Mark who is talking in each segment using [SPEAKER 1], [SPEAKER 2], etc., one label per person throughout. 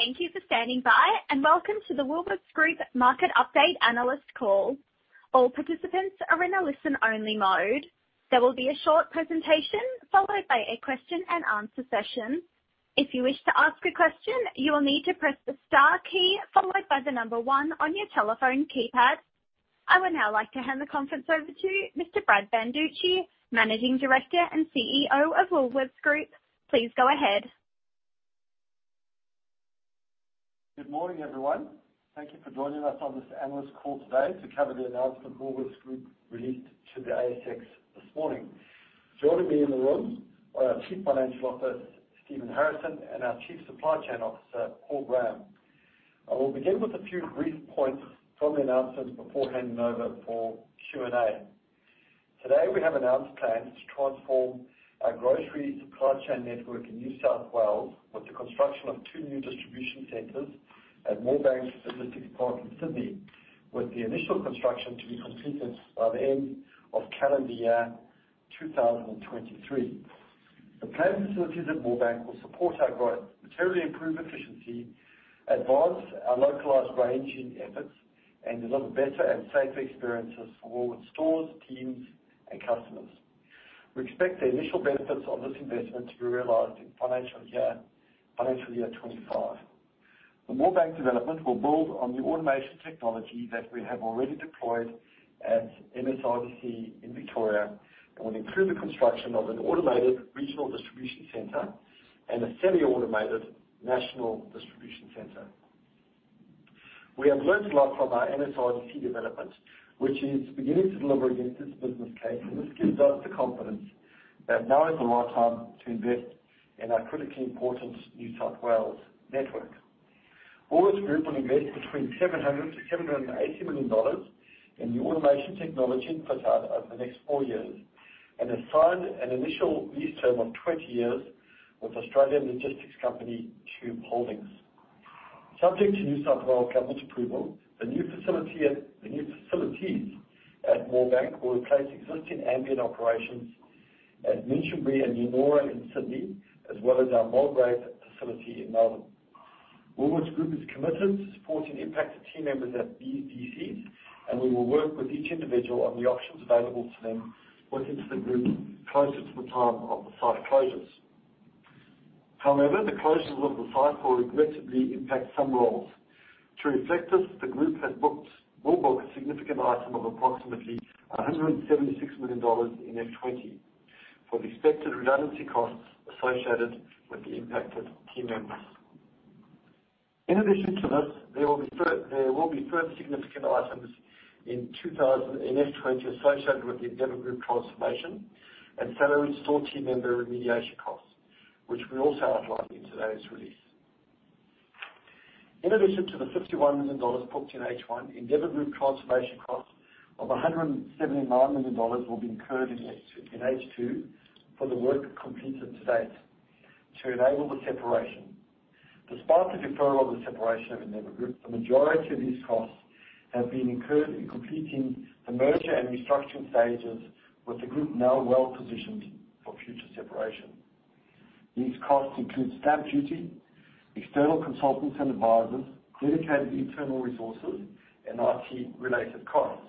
[SPEAKER 1] Thank you for standing by, and Welcome to the Woolworths Group Market Update Analyst Call. All participants are in a listen-only mode. There will be a short presentation followed by a question-and-answer session. If you wish to ask a question, you will need to press the star key followed by the number one on your telephone keypad. I would now like to hand the conference over to Mr. Brad Banducci, Managing Director and CEO of Woolworths Group. Please go ahead.
[SPEAKER 2] Good morning, everyone. Thank you for joining us on this analyst call today to cover the announcement Woolworths Group released to the ASX this morning. Joining me in the room are our Chief Financial Officer, Stephen Harrison, and our Chief Supply Chain Officer, Paul Graham. I will begin with a few brief points from the announcement before handing over for Q&A. Today, we have announced plans to transform our grocery supply chain network in New South Wales with the construction of two new distribution centers at Moorebank Logistics Park in Sydney, with the initial construction to be completed by the end of calendar year 2023. The planned facilities at Moorebank will support our growth, materially improve efficiency, advance our localized ranging efforts, and deliver better and safer experiences for Woolworths stores, teams, and customers. We expect the initial benefits of this investment to be realized in financial year twenty-five. The Moorebank development will build on the automation technology that we have already deployed at MSRDC in Victoria and will include the construction of an automated regional distribution center and a semi-automated national distribution center. We have learned a lot from our MSRDC development, which is beginning to deliver against this business case, and this gives us the confidence that now is the right time to invest in our critically important New South Wales network. Woolworths Group will invest between 700 million- 780 million dollars in new automation technology and facilities over the next four years and has signed an initial lease term of 20 years with Australian logistics company, Qube Holdings. Subject to New South Wales government's approval, the new facility at... The new facilities at Moorebank will replace existing ambient operations at Minchinbury and Yennora in Sydney, as well as our Mulgrave facility in Melbourne. Woolworths Group is committed to supporting impacted team members at these DCs, and we will work with each individual on the options available to them within the group closer to the time of the site closures. However, the closures of the sites will regrettably impact some roles. To reflect this, the group will book a significant item of approximately 176 million dollars in FY 2020 for the expected redundancy costs associated with the impacted team members. In addition to this, there will be further significant items in FY 2020 associated with the Endeavour Group transformation and salaried store team member remediation costs, which we also outlined in today's release. In addition to the 51 million dollars booked in H1, Endeavour Group transformation costs of 179 million dollars will be incurred in H2 for the work completed to date to enable the separation. Despite the deferral of the separation of Endeavour Group, the majority of these costs have been incurred in completing the merger and restructuring stages, with the group now well positioned for future separation. These costs include stamp duty, external consultants and advisors, dedicated internal resources, and IT-related costs.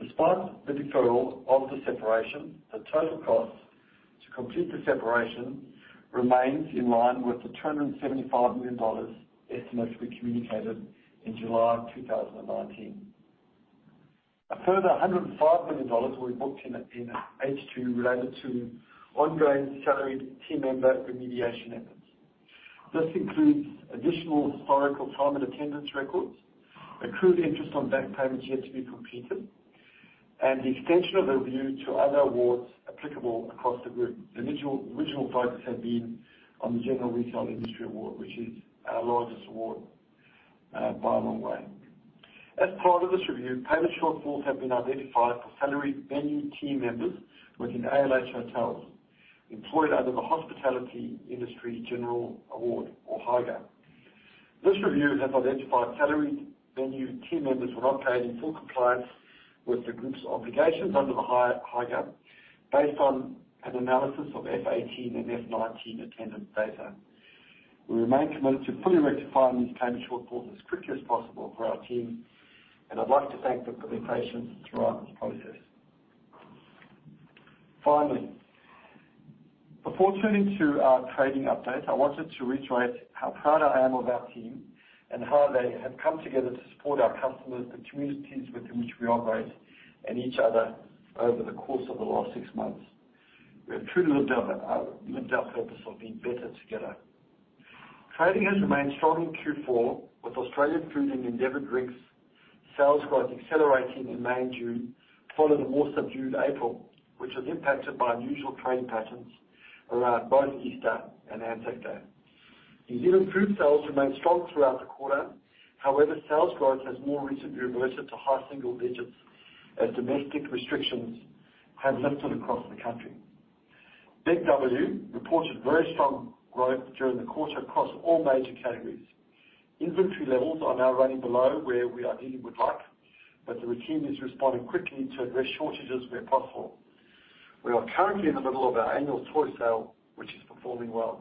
[SPEAKER 2] Despite the deferral of the separation, the total cost to complete the separation remains in line with the 275 million dollars estimate we communicated in July of two thousand and nineteen. A further 105 million dollars were booked in H2, related to ongoing salaried team member remediation efforts. This includes additional historical time and attendance records, accrued interest on back payments yet to be completed, and the extension of the review to other awards applicable across the group. The original focus had been on the General Retail Industry Award, which is our largest award, by a long way. As part of this review, payment shortfalls have been identified for salaried venue team members working in ALH hotels, employed under the Hospitality Industry General Award, or HIGA. This review has identified salaried venue team members were not paid in full compliance with the group's obligations under the HIGA, based on an analysis of FY 2018 and FY 2019 attendance data. We remain committed to fully rectifying these payment shortfalls as quickly as possible for our team, and I'd like to thank them for their patience throughout this process. Finally, before turning to our trading update, I wanted to reiterate how proud I am of our team and how they have come together to support our customers, the communities within which we operate, and each other over the course of the last six months. We have truly lived our purpose of being better together. Trading has remained strong in Q4, with Australian Food and Endeavour Drinks sales growth accelerating in May and June, following a more subdued April, which was impacted by unusual trading patterns around both Easter and Anzac Day. New Zealand food sales remained strong throughout the quarter. However, sales growth has more recently reversed to high single digits as domestic restrictions have lifted across the country. BIG W reported very strong growth during the quarter across all major categories. Inventory levels are now running below where we ideally would like, but the team is responding quickly to address shortages where possible. We are currently in the middle of our annual toy sale, which is performing well.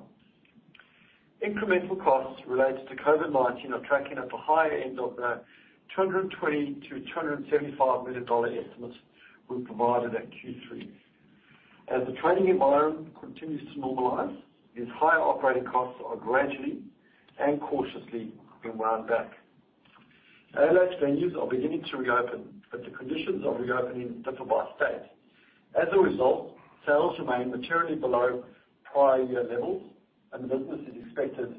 [SPEAKER 2] Incremental costs related to COVID-19 are tracking at the higher end of the 220 million-275 million dollar estimates we provided at Q3. As the trading environment continues to normalize, these higher operating costs are gradually and cautiously being wound back. ALH venues are beginning to reopen, but the conditions of reopening differ by state. As a result, sales remain materially below prior year levels, and the business is expected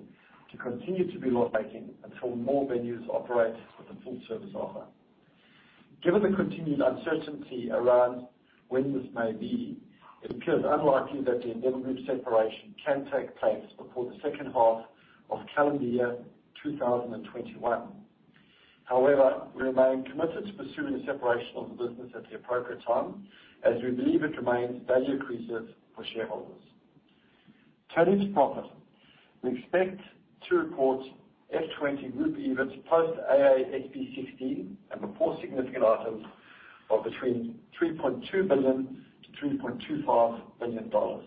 [SPEAKER 2] to continue to be loss-making until more venues operate with a full service offer. Given the continued uncertainty around when this may be, it appears unlikely that the Endeavour Group separation can take place before the second half of calendar year 2021. However, we remain committed to pursuing the separation of the business at the appropriate time, as we believe it remains value accretive for shareholders. Turning to profit, we expect to report FY 2020 group EBIT post AASB 16 and before significant items of between 3.2 billion to 3.25 billion dollars.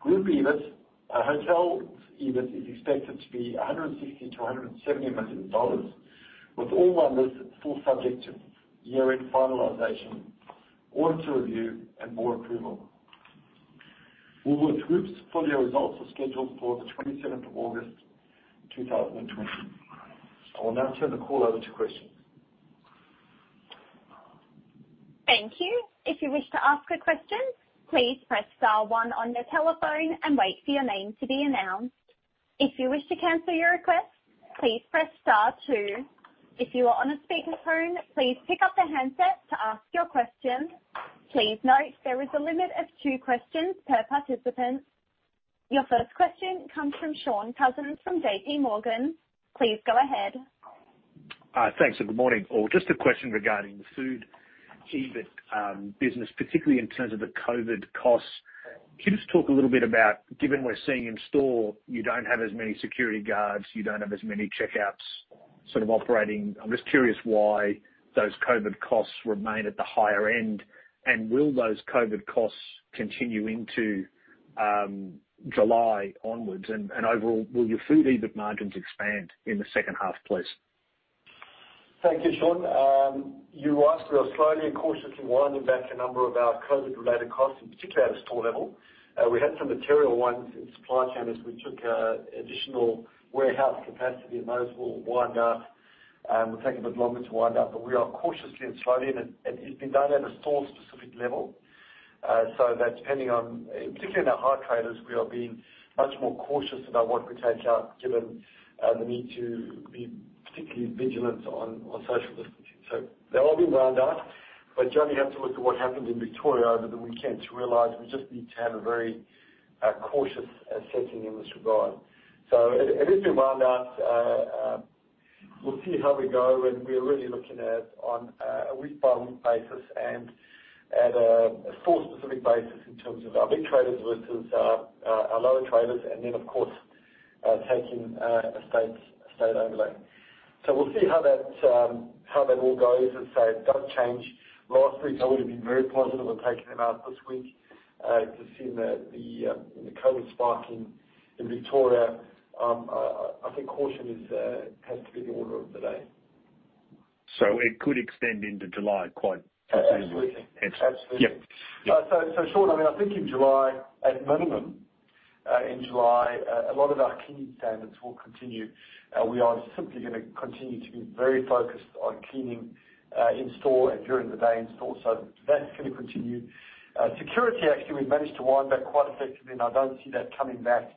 [SPEAKER 2] Group EBIT, our hotel EBIT is expected to be 160 million to 170 million dollars, with all figures subject to year-end finalization, auditor review, and board approval. Woolworths Group's full-year results are scheduled for the twenty-seventh of August, 2020. I will now turn the call over to questions.
[SPEAKER 1] Thank you. If you wish to ask a question, please press star one on your telephone and wait for your name to be announced. If you wish to cancel your request, please press star two. If you are on a speakerphone, please pick up the handset to ask your question. Please note there is a limit of two questions per participant. Your first question comes from Shaun Cousins from JPMorgan. Please go ahead.
[SPEAKER 3] Thanks, and good morning, all. Just a question regarding the food EBIT business, particularly in terms of the COVID costs. Can you just talk a little bit about, given we're seeing in store, you don't have as many security guards, you don't have as many checkouts sort of operating. I'm just curious why those COVID costs remain at the higher end, and will those COVID costs continue into July onwards? And overall, will your food EBIT margins expand in the second half, please?
[SPEAKER 2] Thank you, Shaun. You asked, we are slowly and cautiously winding back a number of our COVID-related costs, and particularly at a store level. We had some material ones in supply chain, as we took additional warehouse capacity, and those will wind up, will take a bit longer to wind up. But we are cautiously and slowly, and it, it's been done at a store-specific level. So that depending on, particularly in our high traders, we are being much more cautious about what we take out, given the need to be particularly vigilant on, on social distancing. So they will be wound up, but you only have to look at what happened in Victoria over the weekend to realize we just need to have a very cautious setting in this regard. So it, it is being wound up. We'll see how we go, and we are really looking at on a week-by-week basis and at a store-specific basis in terms of our big traders versus our lower traders, and then, of course, taking a state overlay. So we'll see how that all goes. As I say, it does change. Last week, I would have been very positive on taking them out this week. Just seeing the COVID spiking in Victoria, I think caution has to be the order of the day.
[SPEAKER 3] So it could extend into July quite possibly?
[SPEAKER 2] Absolutely.
[SPEAKER 3] Yep.
[SPEAKER 2] Absolutely.
[SPEAKER 3] Yep.
[SPEAKER 2] So, Shaun, I mean, I think in July, at minimum, a lot of our cleaning standards will continue. We are simply gonna continue to be very focused on cleaning, in store and during the day in store. So that's going to continue. Security, actually, we managed to wind back quite effectively, and I don't see that coming back.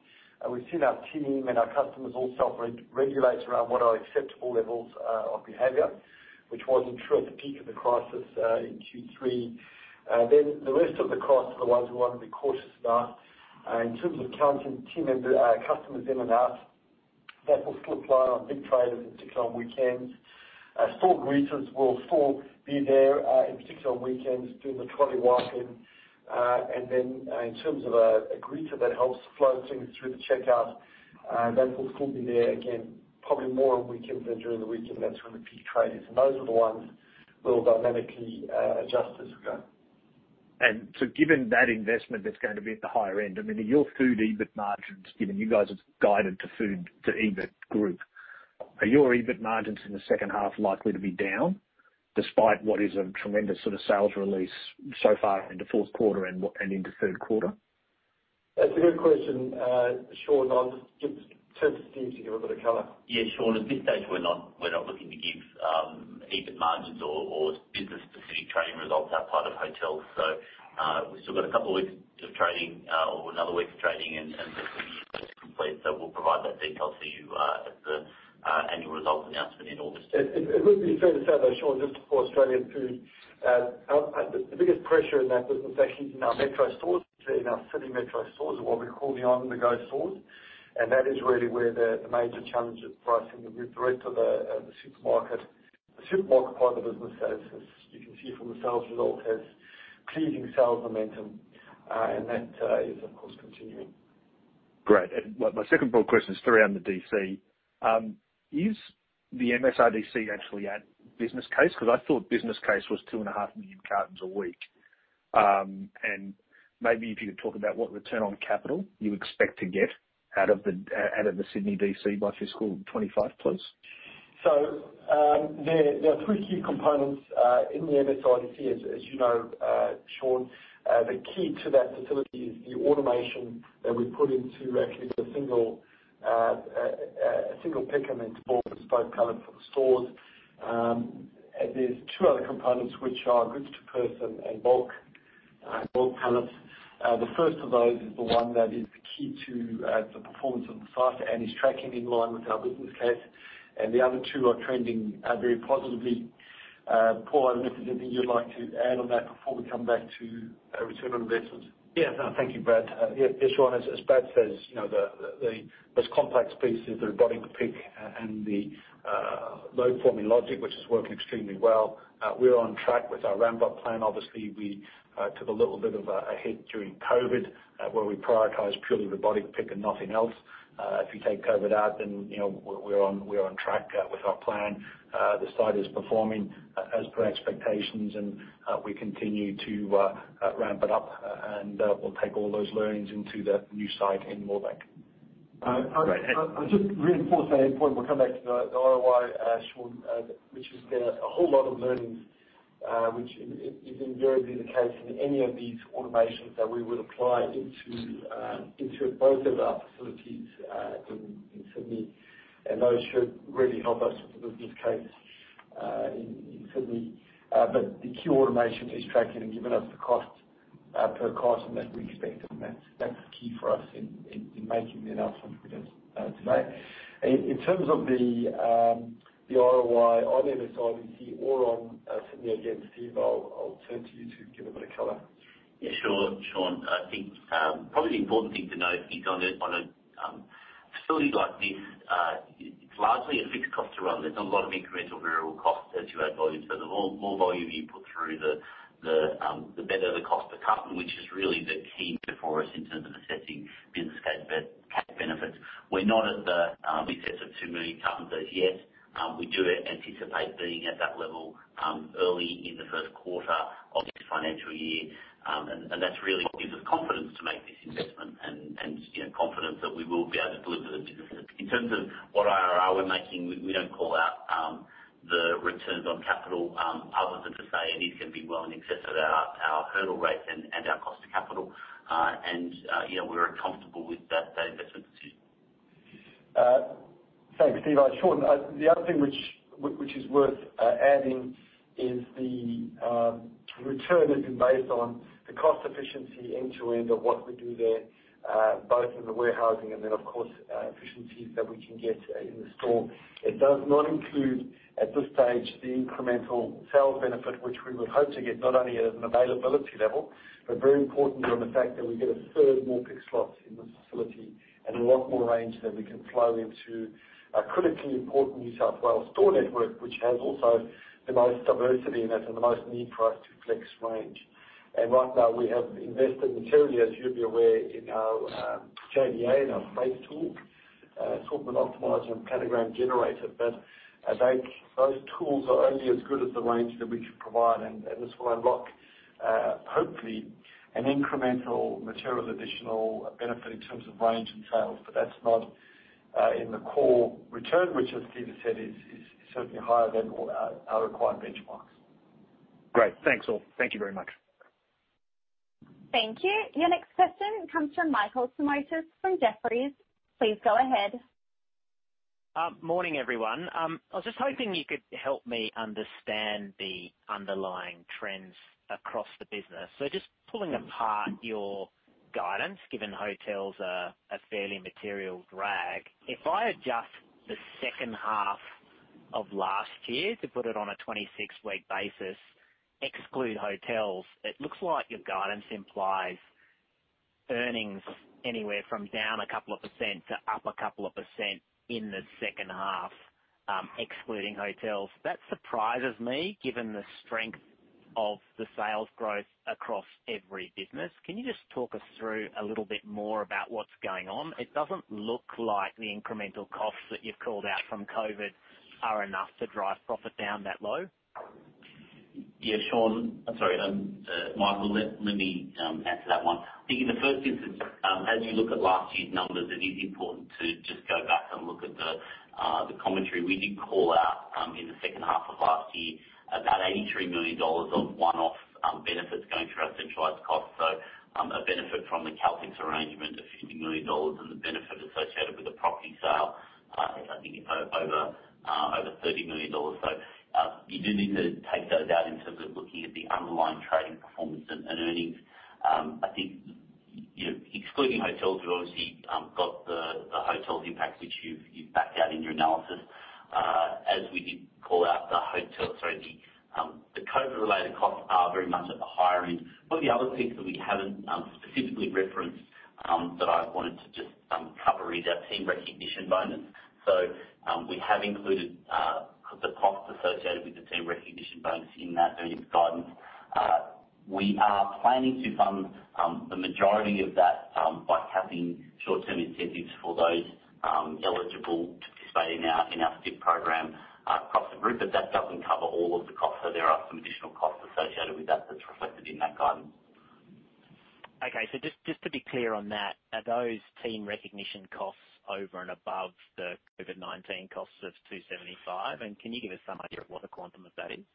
[SPEAKER 2] We've seen our team and our customers also regulate around what are acceptable levels of behavior, which wasn't true at the peak of the crisis, in Q3. Then the rest of the costs are the ones we want to be cautious about. In terms of counting team member customers in and out, that will still apply on big traders, and particularly on weekends. Store greeters will still be there, in particular on weekends, doing the trolley wiping. And then, in terms of a greeter that helps flow things through the checkout, that will still be there, again, probably more on weekends than during the week, and that's when the peak trade is. And those are the ones we'll dynamically adjust as we go.
[SPEAKER 3] Given that investment that's going to be at the higher end, I mean, are your food EBIT margins, given you guys have guided to food, to EBIT group, are your EBIT margins in the second half likely to be down, despite what is a tremendous sort of sales release so far into Q4 and into Q3?
[SPEAKER 2] That's a good question, Shaun. I'll just turn to Steve to give a bit of color.
[SPEAKER 4] Yeah, Shaun, at this stage, we're not looking to give EBIT margins or business-specific trading results outside of hotels. So we've still got a couple of weeks of trading or another week of trading and then we complete. So we'll provide that detail to you at the annual results announcement in August.
[SPEAKER 2] It would be fair to say, though, Shaun, just for Australian Food, the biggest pressure in that business is actually in our metro stores, in our city metro stores, or what we call the On-the-Go stores. And that is really where the major challenge of pricing with the rest of the supermarket. The supermarket part of the business as you can see from the sales results has pleasing sales momentum, and that is, of course, continuing.
[SPEAKER 3] Great, and my second broad question is around the DC. Is the MSRDC actually at business case? Because I thought business case was 2.5 million cartons a week. And maybe if you could talk about what return on capital you expect to get out of the Sydney DC by fiscal 2025, please.
[SPEAKER 2] So, there are three key components in the MSRDC, as you know, Shaun. The key to that facility is the automation that we put into actually the single, a single picker and then to both SKU colors for the stores. And there's two other components which are goods to person and bulk palettes. The first of those is the one that is the key to the performance of the site and is tracking in line with our business case, and the other two are trending very positively. Paul, unless there's anything you'd like to add on that before we come back to a return on investment?
[SPEAKER 5] Yeah. No, thank you, Brad. Yeah, yeah, Shaun, as Brad says, you know, the most complex piece is the robotic pick, and the load forming logic, which is working extremely well. We're on track with our ramp-up plan. Obviously, we took a little bit of a hit during COVID, where we prioritized purely robotic pick and nothing else. If you take COVID out, then, you know, we're on track with our plan. The site is performing as per expectations, and we continue to ramp it up, and we'll take all those learnings into the new site in Moorebank.
[SPEAKER 2] Great. I'll just reinforce that point. We'll come back to the ROI, Shaun, which has been a whole lot of learnings, which is invariably the case in any of these automations that we would apply into both of our facilities in Sydney. And those should really help us with the business case in Sydney. But the key automation is tracking and giving us the cost per carton that we expected, and that's key for us in making the announcement we did today. In terms of the ROI on MSRDC or on Sydney again, Steve, I'll turn to you to give a bit of color.
[SPEAKER 4] Yeah, sure, Shaun. I think, probably the important thing to note is on a facility like this, it's largely a fixed cost to run. There's not a lot of incremental variable costs as you add volume, so the more volume you put through the, the better the cost per carton, which is really the key for us in terms of assessing business case benefits. We're not at the excess of two million cartons as yet. We do anticipate being at that level, early in the Q1 of this financial year. And that's really what gives us confidence to make this investment and, you know, confidence that we will be able to deliver the benefits. In terms of what IRR we're making, we don't call out the returns on capital other than to say it is going to be well in excess of our hurdle rate and our cost of capital. You know, we're comfortable with that investment decision.
[SPEAKER 2] Thanks, Steve. Shaun, the other thing which is worth adding is the return has been based on the cost efficiency end-to-end of what we do there, both in the warehousing and then, of course, efficiencies that we can get in the store. It does not include, at this stage, the incremental sales benefit, which we would hope to get, not only at an availability level, but very importantly on the fact that we get a third more pick slots in this facility and a lot more range that we can flow into a critically important New South Wales store network, which has also the most diversity and has the most need for us to flex range, and right now, we have invested materially, as you'd be aware, in our JDA and our space tool, Assortment Optimizer and Planogram Generator. But those tools are only as good as the range that we can provide, and this will unlock hopefully an incremental material additional benefit in terms of range and sales. But that's not in the core return, which, as Steve has said, is certainly higher than all our required benchmarks.
[SPEAKER 3] Great. Thanks, all. Thank you very much.
[SPEAKER 1] Thank you. Your next question comes from Michael Simotas from Jefferies. Please go ahead.
[SPEAKER 6] Morning, everyone. I was just hoping you could help me understand the underlying trends across the business. So just pulling apart your guidance, given hotels are a fairly material drag, if I adjust the second half of last year, to put it on a 26-week basis, exclude hotels, it looks like your guidance implies earnings anywhere from down a couple of % to up a couple of % in the second half, excluding hotels. That surprises me, given the strength of the sales growth across every business. Can you just talk us through a little bit more about what's going on? It doesn't look like the incremental costs that you've called out from COVID are enough to drive profit down that low.
[SPEAKER 4] Yeah, Shaun. I'm sorry, Michael, let me answer that one. I think in the first instance, as you look at last year's numbers, it is important to just go back and look at the commentary we did call out in the second half of last year, about 83 million dollars of one-off benefits going through our centralized costs. So, a benefit from the Caltex arrangement of 50 million dollars and the benefit associated with the property sale, I think it's over 30 million dollars. So, you do need to take those out in terms of looking at the underlying trading performance and earnings. I think, you know, excluding hotels, we've obviously got the hotels impact, which you've backed out in your analysis. As we did call out, the COVID-related costs are very much at the higher end. One of the other things that we haven't specifically referenced that I wanted to just cover is our team recognition bonus. So, we have included the costs associated with the team recognition bonus in that earnings guidance. We are planning to fund the majority of that by capping short-term incentives for those eligible to participate in our STIP program across the group, but that doesn't cover all of the costs, so there are some additional costs associated with that that's reflected in that guidance.
[SPEAKER 6] Okay. So just to be clear on that, are those team recognition costs over and above the COVID-19 costs of 275? And can you give us some idea of what the quantum of that is?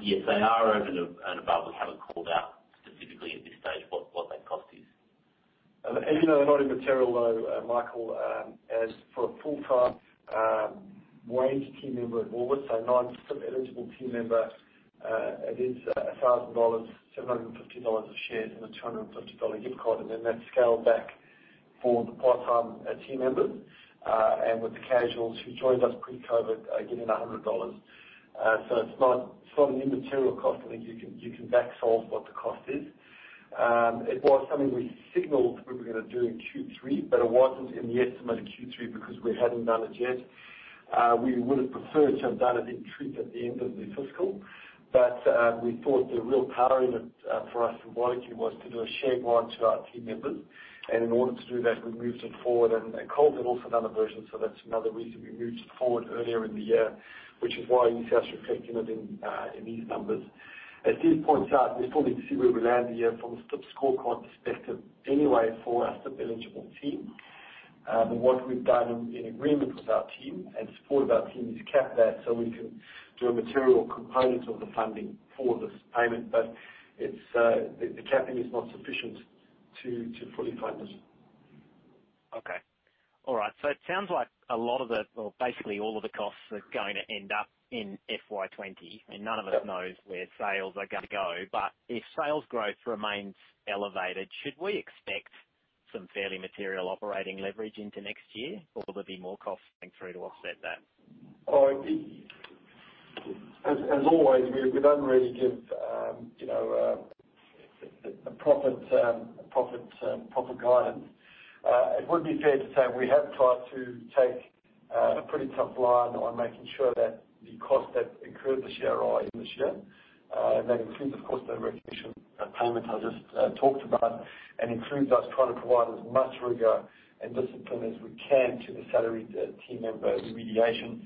[SPEAKER 4] Yes, they are over and above. We haven't called out specifically at this stage what that cost is.
[SPEAKER 2] Even though they're not immaterial, though, Michael, as for a full-time wage team member at Woolworths, so non-STIP eligible team member, it is 1000 dollars, 750 dollars of shares, and an 250 dollar gift card, and then that's scaled back for the part-time team members. With the casuals who joined us pre-COVID getting 100 dollars. So it's not an immaterial cost. I think you can back solve what the cost is. It was something we signaled we were gonna do in Q3, but it wasn't in the estimate of Q3 because we hadn't done it yet. We would have preferred to have done it in Q3 at the end of the fiscal, but we thought the real power in it for us from Woolworths was to do a shared one to our team members. In order to do that, we moved it forward. Coles had also done a version, so that's another reason we moved it forward earlier in the year, which is why you start reflecting it in these numbers. As Steve points out, we still need to see where we land the year from a STIP scorecard perspective anyway, for our STIP-eligible team. But what we've done in agreement with our team and support of our team is cap that, so we can do a material component of the funding for this payment. But it's the capping is not sufficient to fully fund this.
[SPEAKER 6] So it sounds like a lot of the... Well, basically all of the costs are going to end up in FY 2020, and none of us knows where sales are gonna go. But if sales growth remains elevated, should we expect some fairly material operating leverage into next year, or will there be more costs coming through to offset that?
[SPEAKER 2] Oh, as always, we don't really give, you know, a profit guidance. It would be fair to say we have tried to take a pretty tough line on making sure that the costs that incurred this year are in this year. And that includes, of course, the recognition payment I just talked about, and includes us trying to provide as much rigor and discipline as we can to the salaried team member remediation.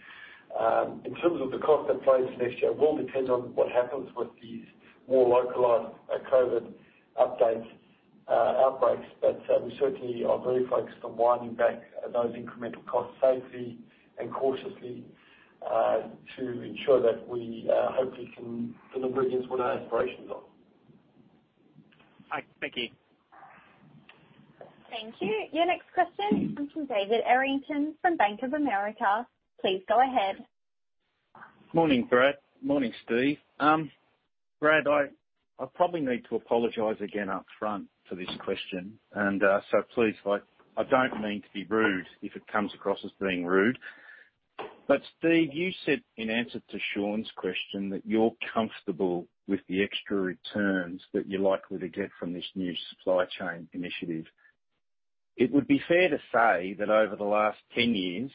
[SPEAKER 2] In terms of the cost that flows next year, it will depend on what happens with these more localized COVID updates, outbreaks. But we certainly are very focused on winding back those incremental costs safely and cautiously to ensure that we hopefully can deliver against what our aspirations are.
[SPEAKER 6] Hi, thank you.
[SPEAKER 1] Thank you. Your next question comes from David Errington from Bank of America. Please go ahead.
[SPEAKER 7] Morning, Brad. Morning, Steve. Brad, I probably need to apologize again up front for this question, and so please, I don't mean to be rude if it comes across as being rude. But Steve, you said in answer to Shaun's question, that you're comfortable with the extra returns that you're likely to get from this new supply chain initiative. It would be fair to say that over the last 10 years,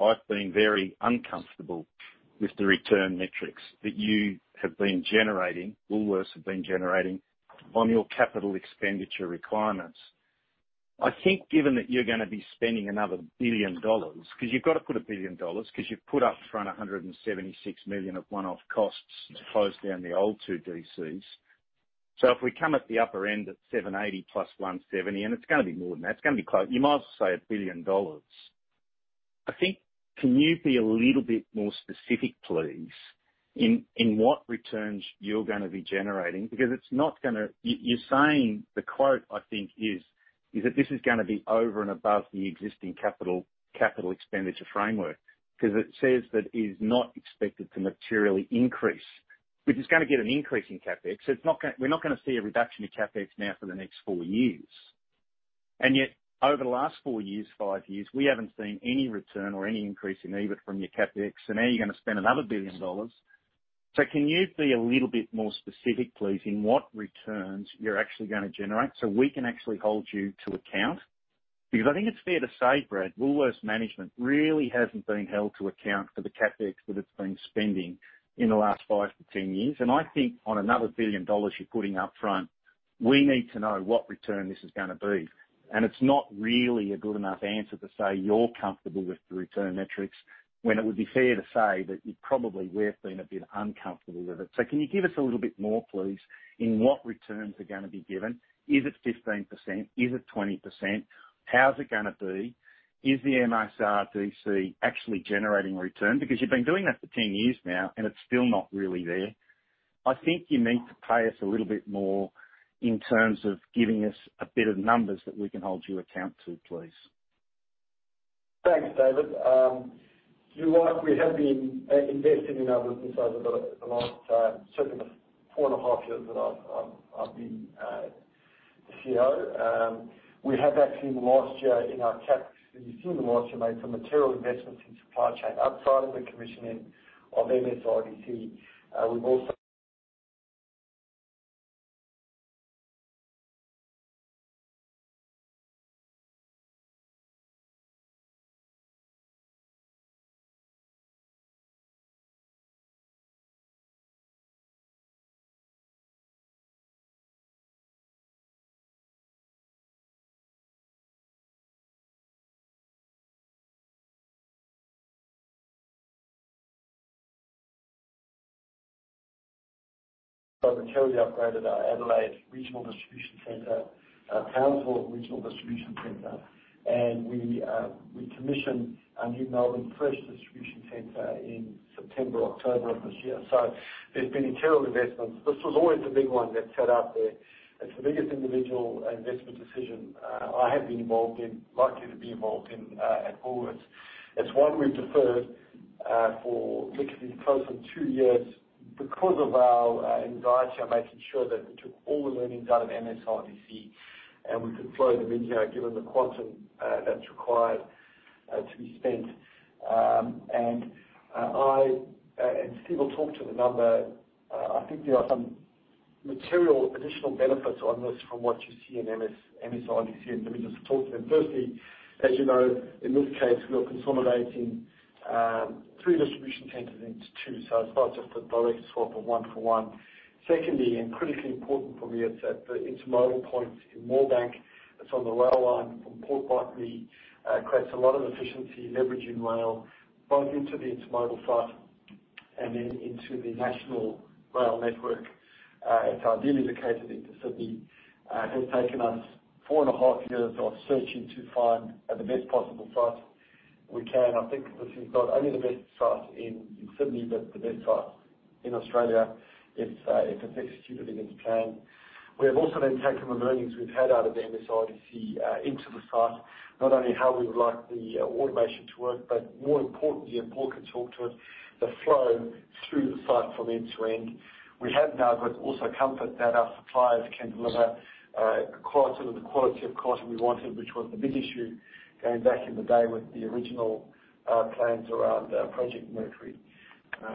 [SPEAKER 7] I've been very uncomfortable with the return metrics that you have been generating, Woolworths have been generating, on your capital expenditure requirements. I think given that you're gonna be spending another 1 billion dollars, because you've got to put 1 billion dollars, because you've put up front 176 million of one-off costs to close down the old two DCs. So if we come at the upper end at 780 plus 170, and it's gonna be more than that, it's gonna be close. You might as well say a billion dollars. I think, can you be a little bit more specific, please, in what returns you're gonna be generating? Because it's not gonna. You're saying the quote, I think, is that this is gonna be over and above the existing capital expenditure framework, because it says that it is not expected to materially increase, which is gonna get an increase in CapEx. It's not gonna. We're not gonna see a reduction in CapEx now for the next four years. And yet, over the last four years, five years, we haven't seen any return or any increase in EBIT from your CapEx, and now you're gonna spend another 1 billion dollars. So can you be a little bit more specific, please, in what returns you're actually gonna generate, so we can actually hold you to account? Because I think it's fair to say, Brad, Woolworths management really hasn't been held to account for the CapEx that it's been spending in the last five to 10 years. And I think on another 1 billion dollars you're putting up front, we need to know what return this is gonna be. And it's not really a good enough answer to say you're comfortable with the return metrics, when it would be fair to say that we've been a bit uncomfortable with it. So can you give us a little bit more, please, in what returns are gonna be given? Is it 15%? Is it 20%? How's it gonna be? Is the MSRDC actually generating return? Because you've been doing that for 10 years now, and it's still not really there. I think you need to pay us a little bit more in terms of giving us a bit of numbers that we can hold you account to, please.
[SPEAKER 2] Thanks, David. You're right, we have been investing in our business over the last certainly the four and a half years that I've been the CEO. We have actually, last year in our CapEx, you see in the last year, made some material investments in supply chain outside of the commissioning of MSRDC. We've entirely upgraded our Adelaide Regional Distribution Center, Townsville Regional Distribution Center, and we commissioned our new Melbourne Fresh Distribution Center in September, October of this year. So there's been internal investments. This was always the big one that set out there. It's the biggest individual investment decision I have been involved in, likely to be involved in at Woolworths. It's one we've deferred for literally close to two years because of our anxiety of making sure that we took all the learnings out of MSRDC, and we could flow them in here, given the quantum that's required to be spent, and I and Steve will talk to the number. I think there are some material additional benefits on this from what you see in MSRDC, and let me just talk to them. Firstly, as you know, in this case, we are consolidating three distribution centers into two, so it's not just a direct swap of one for one. Secondly, and critically important for me, it's at the intermodal points in Moorebank. It's on the rail line from Port Botany. It creates a lot of efficiency, leveraging rail both into the intermodal site and then into the national rail network. It's ideally located into Sydney. It has taken us four and a half years of searching to find the best possible site we can. I think this is not only the best site in Sydney, but the best site in Australia if it's executed against plan. We have also then taken the learnings we've had out of the MSRDC into the site, not only how we would like the automation to work, but more importantly, and Paul can talk to it, the flow through the site from end to end. We have now, but also comfort that our suppliers can deliver quality with the quality of quantity we wanted, which was the big issue going back in the day with the original plans around Project Mercury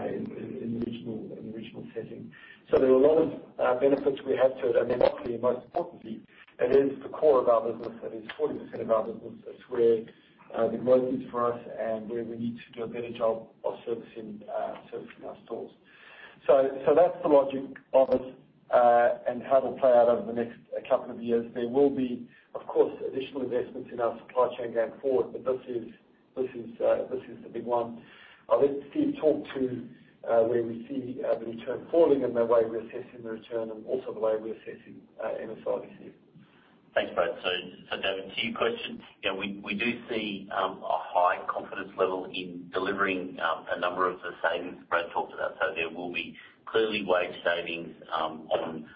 [SPEAKER 2] in the original setting. So there are a lot of benefits we have to it. Then obviously, most importantly, it is the core of our business. It is 40% of our business. It's where the growth is for us and where we need to do a better job of servicing our stores. So that's the logic of it and how it'll play out over the next couple of years. There will be, of course, additional investments in our supply chain going forward, but this is the big one. I'll let Steve talk to where we see the return falling and the way we're assessing the return and also the way we're assessing MSRDC.
[SPEAKER 4] Thanks, Brad. So David, to your question, you know, we do see a high confidence level in delivering a number of the savings Brad talked about. So there will be clearly wage savings on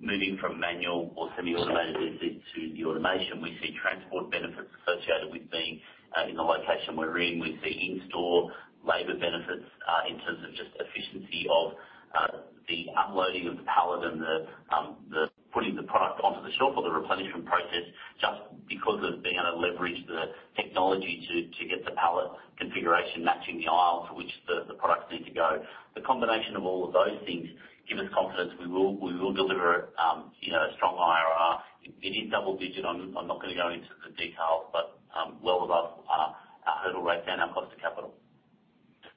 [SPEAKER 4] moving from manual or semi-automated visits to the automation. We see transport benefits associated with being in the location we're in. We see in-store labor benefits in terms of just efficiency of the unloading of the pallet and the putting the product onto the shelf or the replenishment process, just because of being able to leverage the technology to get the pallet configuration matching the aisle to which the products need to go. The combination of all of those things give us confidence we will deliver, you know, a strong IRR. It is double digit. I'm not going to go into the details, but well above our hurdle rate and our cost of capital.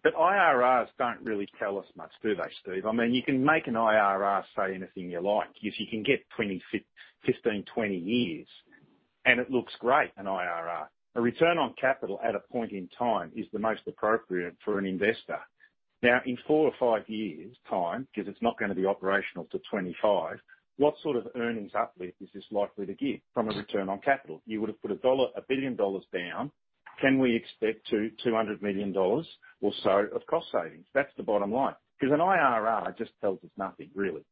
[SPEAKER 7] But IRRs don't really tell us much, do they, Steve? I mean, you can make an IRR say anything you like. If you can get fifteen, twenty years, and it looks great, an IRR. A return on capital at a point in time is the most appropriate for an investor. Now, in four or five years' time, because it's not going to be operational to twenty-five, what sort of earnings uplift is this likely to give from a return on capital? You would have put a billion dollars down. Can we expect 200 million dollars or so of cost savings? That's the bottom line. Because an IRR just tells us nothing, really.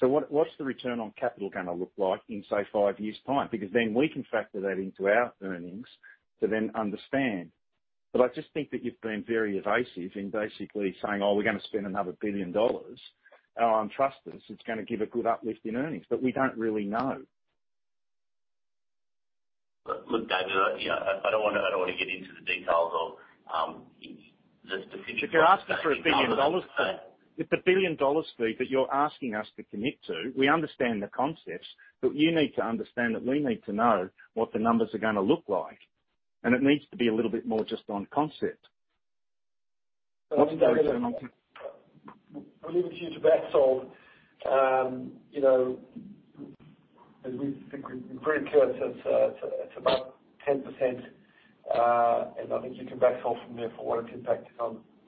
[SPEAKER 7] So what's the return on capital going to look like in, say, five years' time? Because then we can factor that into our earnings to then understand. But I just think that you've been very evasive in basically saying, "Oh, we're going to spend another 1 billion dollars, oh, and trust us, it's going to give a good uplift in earnings," but we don't really know.
[SPEAKER 4] Look, David, you know, I don't want to get into the details of the-
[SPEAKER 7] But you're asking for 1 billion dollars. It's 1 billion dollars, Steve, that you're asking us to commit to. We understand the concepts, but you need to understand that we need to know what the numbers are going to look like, and it needs to be a little bit more just on concept. What's the return on-
[SPEAKER 2] Look, David, I'll leave it to you to back-solve. You know, as we think, we've been very clear, it's about 10%, and I think you can back-solve from there for what its impact is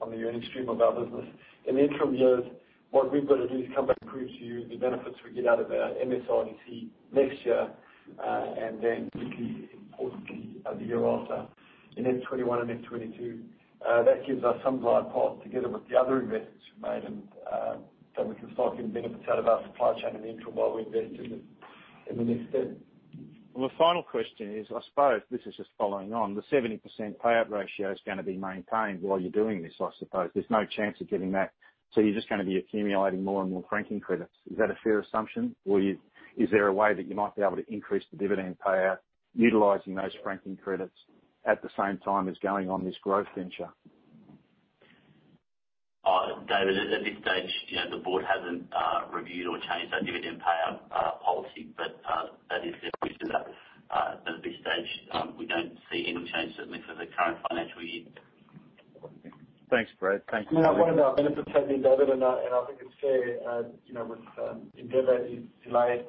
[SPEAKER 2] on the earnings stream of our business. In the interim years, what we've got to do is come back and prove to you the benefits we get out of our MSRDC next year, and then, really importantly, the year after, in FY 2021 and FY 2022. That gives us some dry powder together with the other investments we've made, and so we can start getting benefits out of our supply chain in the interim while we invest in the next step.
[SPEAKER 7] My final question is, I suppose this is just following on, the 70% payout ratio is going to be maintained while you're doing this, I suppose. There's no chance of getting that. So you're just going to be accumulating more and more franking credits. Is that a fair assumption, or is there a way that you might be able to increase the dividend payout, utilizing those franking credits at the same time as going on this growth venture?
[SPEAKER 4] David, at this stage, you know, the board hasn't reviewed or changed our dividend payout policy, but that is definitely tied to that. At this stage, we don't see any change, certainly for the current financial year.
[SPEAKER 7] Thanks, Brad. Thank you.
[SPEAKER 2] No, I want to benefit David, and I, and I think it's fair, you know, with Endeavour is delayed,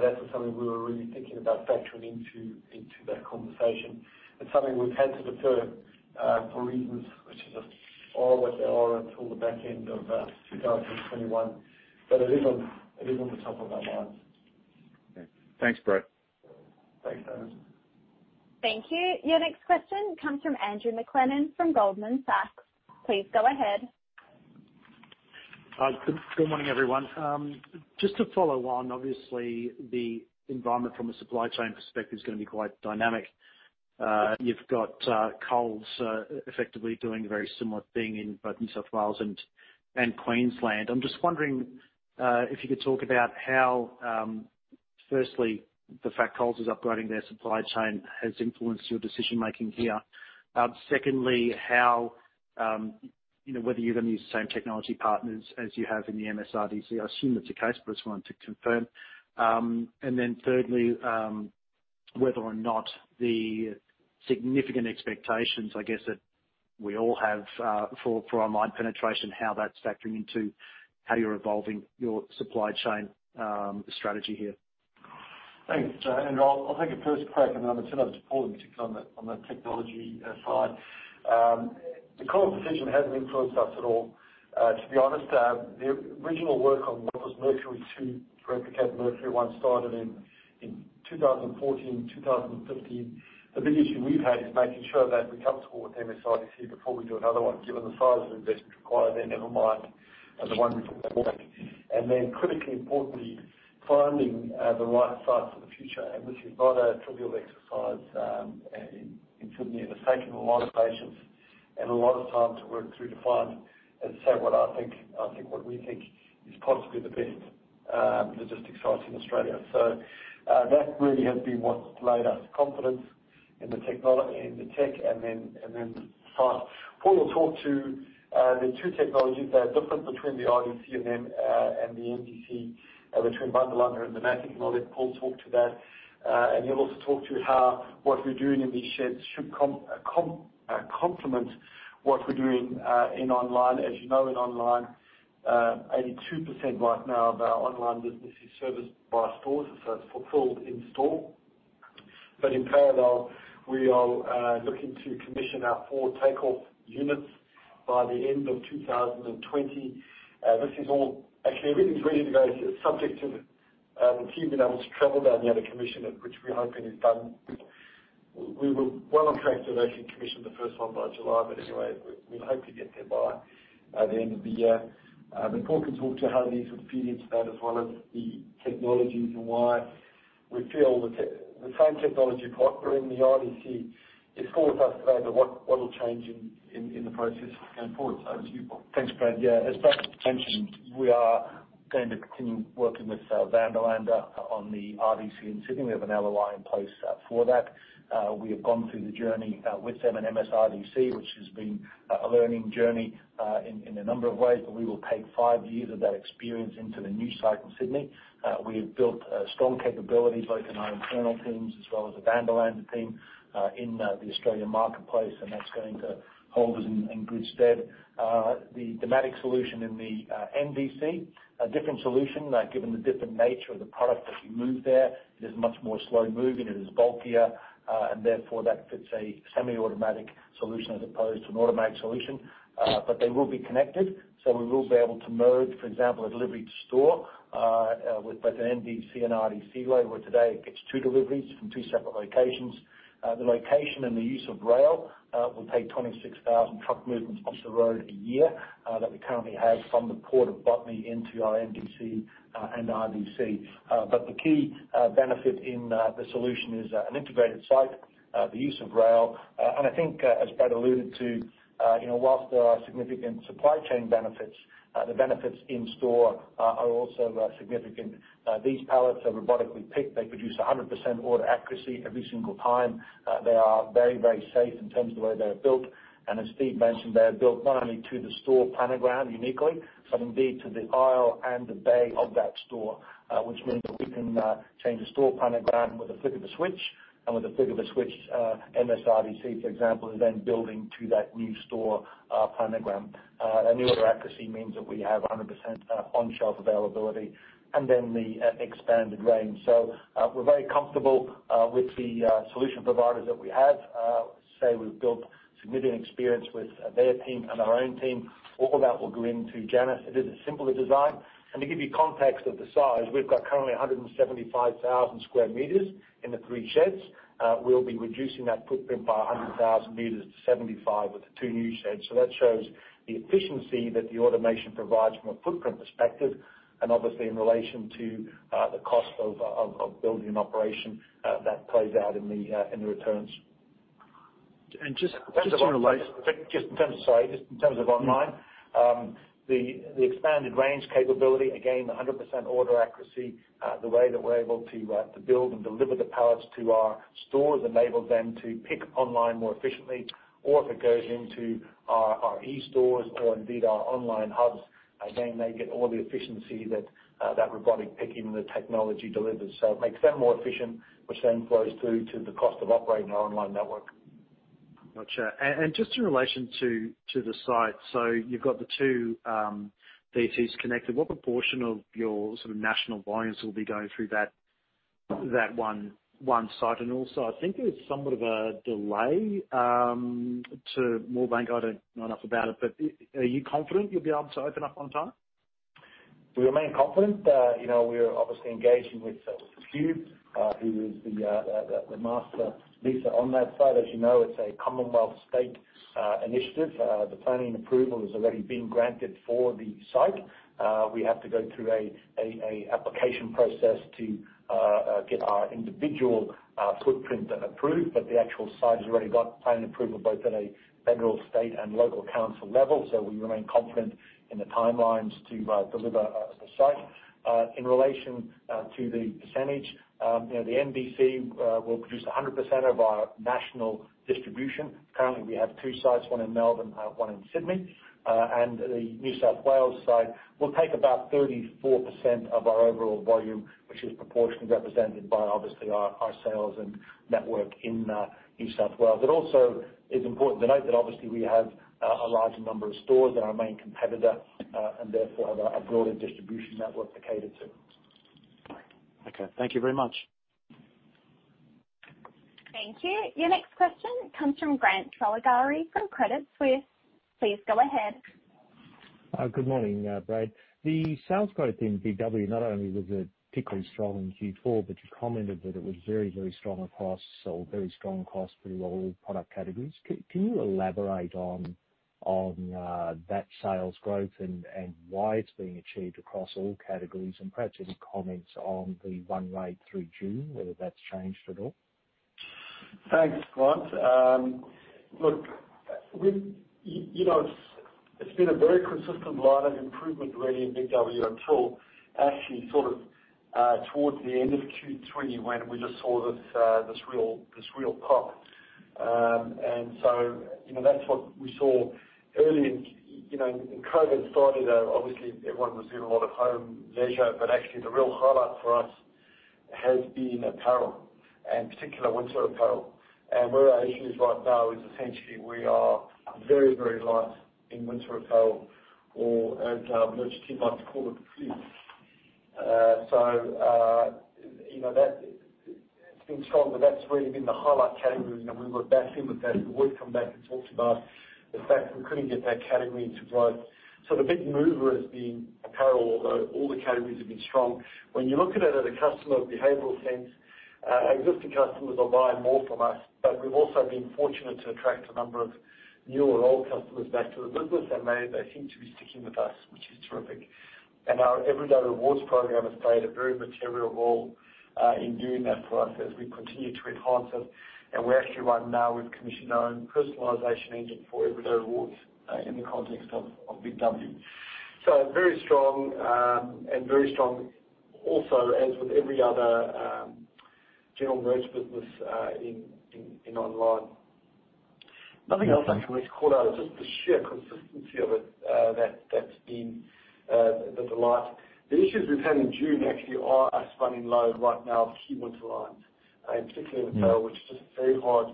[SPEAKER 2] that's something we were really thinking about factoring into that conversation. It's something we've had to defer for reasons which are just all what they are until the back end of 2021. But it is on the top of our minds.
[SPEAKER 7] Okay. Thanks, Brad.
[SPEAKER 2] Thanks, David.
[SPEAKER 1] Thank you. Your next question comes from Andrew McLennan from Goldman Sachs. Please go ahead.
[SPEAKER 8] Good morning, everyone. Just to follow on, obviously, the environment from a supply chain perspective is gonna be quite dynamic. You've got Coles effectively doing a very similar thing in both New South Wales and Queensland. I'm just wondering if you could talk about how firstly the fact Coles is upgrading their supply chain has influenced your decision making here. Secondly, how you know whether you're gonna use the same technology partners as you have in the MSRDC? I assume that's the case, but I just wanted to confirm. And then thirdly, whether or not the significant expectations, I guess, that we all have for online penetration, how that's factoring into how you're evolving your supply chain strategy here.
[SPEAKER 2] Thanks, Andrew. I'll take a first crack, and then I'm going to turn over to Paul, in particular, on the technology side. The Coles decision hasn't influenced us at all, to be honest. The original work on what was Mercury Two, to replicate Mercury One, started in two thousand and fourteen, two thousand and fifteen. The big issue we've had is making sure that we're comfortable with MSRDC before we do another one, given the size of the investment required there, never mind the one we've already bought. And then, critically importantly, finding the right site for the future. This is not a trivial exercise, and it certainly has taken a lot of patience and a lot of time to work through to find, and say what I think, I think what we think is possibly the best logistics site in Australia. That really has been what's laid us confidence in the tech, and then the site. Paul will talk to the two technologies, the difference between the RDC and the NDC, between Vanderlande and Dematic. I'll let Paul talk to that. He'll also talk to how what we're doing in these sheds should complement what we're doing in online. As you know, in online, 82% right now of our online business is serviced by stores, so it's fulfilled in store. But in parallel, we are looking to commission our four Takeoff units by the end of 2020. Actually, everything's ready to go, subject to the team being able to travel down there to commission it, which we're hoping is done. We were well on track to actually commission the first one by July, but anyway, we hope to get there by the end of the year, but Paul can talk to how these would feed into that, as well as the technologies and why we feel the same technology partner in the RDC is with us today, but what will change in the process going forward, so over to you, Paul.
[SPEAKER 5] Thanks, Brad. Yeah, as Brad mentioned, we are going to continue working with Vanderlande on the RDC in Sydney. We have an LOI in place for that. We have gone through the journey with them and MSRDC, which has been a learning journey in a number of ways. But we will take five years of that experience into the new site in Sydney. We have built a strong capability, both in our internal teams as well as the Vanderlande team, in the Australian marketplace, and that's going to hold us in good stead. The Dematic solution in the NDC, a different solution, given the different nature of the product that we move there. It is much more slow-moving, it is bulkier, and therefore, that fits a semi-automatic solution as opposed to an automatic solution. But they will be connected, so we will be able to merge, for example, a delivery to store with both the NDC and RDC label. Today, it gets two deliveries from two separate locations. The location and the use of rail will take twenty-six thousand truck movements off the road a year that we currently have from the Port of Botany into our NDC and RDC. But the key benefit in the solution is an integrated site, the use of rail. And I think, as Brad alluded to, you know, whilst there are significant supply chain benefits, the benefits in store are also significant. These pallets are robotically picked. They produce 100% order accuracy every single time. They are very, very safe in terms of the way they are built, and as Steve mentioned, they are built not only to the store planogram uniquely, but indeed to the aisle and the bay of that store, which means that we can change the store planogram with the flick of a switch, and with the flick of a switch, MSRDC, for example, is then building to that new store planogram, and new order accuracy means that we have 100% on-shelf availability, and then the expanded range, so we're very comfortable with the solution providers that we have. Say we've built significant experience with their team and our own team. All of that will go into Janus. It is a simpler design. To give you context of the size, we've got currently 175,000 sq m in the three sheds. We'll be reducing that footprint by 100,000 m to 75,000 with the two new sheds. That shows the efficiency that the automation provides from a footprint perspective, and obviously in relation to the cost of building and operation, that plays out in the returns. Just in terms of online, the expanded range capability, again, 100% order accuracy, the way that we're able to build and deliver the pallets to our stores enables them to pick online more efficiently or if it goes into our eStores or indeed our online hubs, again, they get all the efficiency that robotic picking, the technology delivers. So it makes them more efficient, which then flows through to the cost of operating our online network.
[SPEAKER 8] Gotcha. And just in relation to the site, so you've got the two DTs connected. What proportion of your sort of national volumes will be going through that one site? And also, I think there's somewhat of a delay to Moorebank. I don't know enough about it, but are you confident you'll be able to open up on time?
[SPEAKER 2] We remain confident. You know, we're obviously engaging with Qube, who is the master leaser on that site. As you know, it's a Commonwealth State initiative. The planning approval has already been granted for the site. We have to go through a application process to get our individual footprint approved, but the actual site has already got planning approval both at a federal, state, and local council level. So we remain confident in the timelines to deliver the site. In relation to the percentage, you know, the NDC will produce 100% of our national distribution. Currently, we have two sites, one in Melbourne, one in Sydney. And the New South Wales site will take about 34% of our overall volume, which is proportionately represented by obviously our sales and network in New South Wales. It also is important to note that obviously we have a larger number of stores than our main competitor, and therefore have a broader distribution network to cater to.
[SPEAKER 8] Okay. Thank you very much.
[SPEAKER 1] Thank you. Your next question comes from Grant Saligari from Credit Suisse. Please go ahead.
[SPEAKER 9] Good morning, Brad. The sales growth in BIG W, not only was it particularly strong in Q4, but you commented that it was very, very strong across... So very strong cost for all product categories. Can you elaborate on that sales growth and why it's being achieved across all categories? And perhaps any comments on the run rate through June, whether that's changed at all?
[SPEAKER 2] Thanks, Grant. Look, you know, it's been a very consistent line of improvement really in Big W until actually sort of towards the end of Q3, when we just saw this real pop. And so, you know, that's what we saw early in. You know, when COVID started, obviously everyone was doing a lot of home leisure, but actually the real highlight for us has been apparel, and particular winter apparel. And where our issue is right now is essentially we are very, very light in winter apparel, or as our merchant team like to call it, clean. So, you know, it's been strong, but that's really been the highlight category, and we were backed in with that. We've come back to talk about the fact we couldn't get that category to grow. So the big mover has been apparel, although all the categories have been strong. When you look at it at a customer behavioral sense, existing customers are buying more from us, but we've also been fortunate to attract a number of new or old customers back to the business, and they seem to be sticking with us, which is terrific. And our Everyday Rewards program has played a very material role in doing that for us as we continue to enhance it. And we actually right now we've commissioned our own personalization engine for Everyday Rewards in the context of Big W. So very strong, and very strong also, as with every other general merch business in online.
[SPEAKER 9] Nothing else, actually.
[SPEAKER 2] Just to call out just the sheer consistency of it, that's been the delight. The issues we've had in June actually are us running low right now of key winter lines, and particularly in apparel-
[SPEAKER 9] Mm.
[SPEAKER 2] Which is just very hard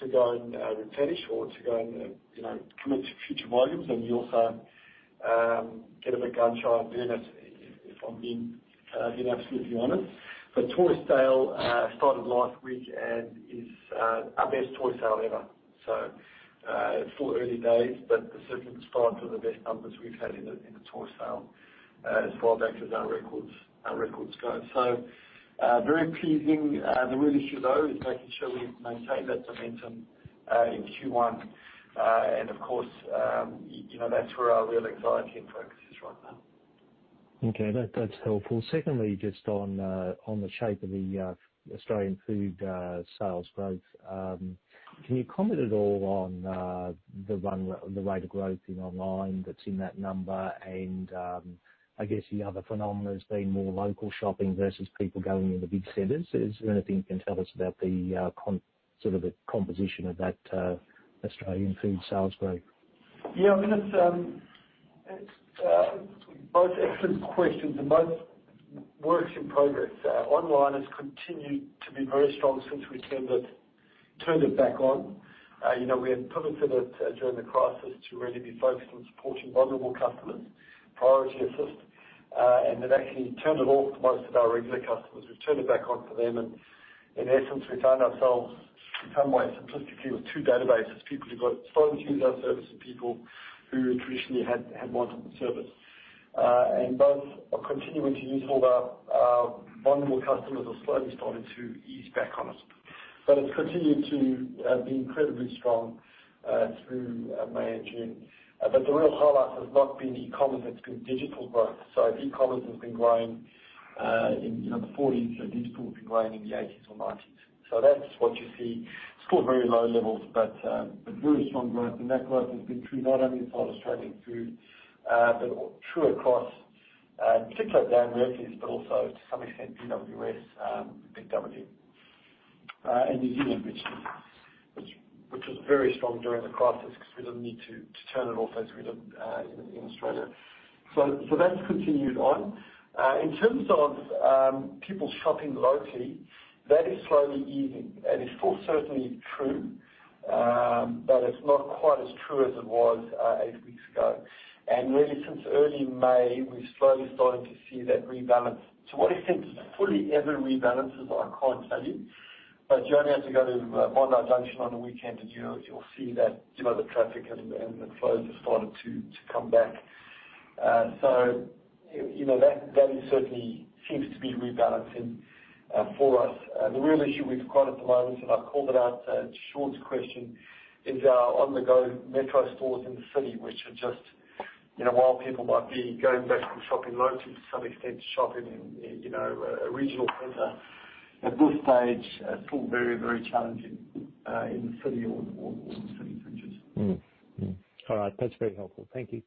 [SPEAKER 2] to go and replenish or to go and, you know, commit to future volumes. And you also get a bit gun-shy on doing it, if I'm being absolutely honest. But toy sale started last week and is our best toy sale ever. So, it's still early days, but it's certainly on track for the best numbers we've had in the toy sale as far back as our records go. So, very pleasing. The real issue, though, is making sure we maintain that momentum in Q1. And of course, you know, that's where our real anxiety and focus is right now.
[SPEAKER 9] Okay, that, that's helpful. Secondly, just on, on the shape of the, Australian food, sales growth, can you comment at all on, the run, the rate of growth in online that's in that number? And, I guess the other phenomenon has been more local shopping versus people going into big centers. Is there anything you can tell us about the, sort of the composition of that, Australian food sales growth?
[SPEAKER 2] Yeah, I mean, it's both excellent questions and both works in progress. Online has continued to be very strong since we turned it back on. You know, we had pivoted it during the crisis to really be focused on supporting vulnerable customers, Priority Assist, and then actually turned it off to most of our regular customers. We've turned it back on for them, and in essence, we found ourselves in some ways, simplistically, with two databases: people who got starting to use our service and people who traditionally had wanted the service. And both are continuing to use it, although our vulnerable customers are slowly starting to ease back on it. But it's continued to be incredibly strong through May and June. But the real highlight has not been e-commerce, it's been digital growth. So e-commerce has been growing in you know the forties, and digital has been growing in the eighties or nineties. So that's what you see. It's still very low levels, but very strong growth, and that growth has been through not only Australian Food but true across particularly Dan Murphy's but also to some extent BWS, BIG W. And New Zealand, which was very strong during the crisis because we didn't need to turn it off as we did in Australia. So that's continued on. In terms of people shopping locally, that is slowly easing, and it's still certainly true, but it's not quite as true as it was eight weeks ago. And really, since early May, we've slowly started to see that rebalance. To what extent fully ever rebalances, I can't tell you, but you only have to go to Bondi Junction on the weekend, and you know, you'll see that, you know, the traffic and the flows have started to come back. So, you know, that is certainly seems to be rebalancing for us. The real issue we've got at the moment, and I called it out to Shaun's question, is our On-the-Go Metro stores in the city, which are just. You know, while people might be going back to shopping locally, to some extent shopping in, you know, a regional center. At this stage, it's still very, very challenging in the city or the city fringes.
[SPEAKER 9] All right. That's very helpful. Thank you.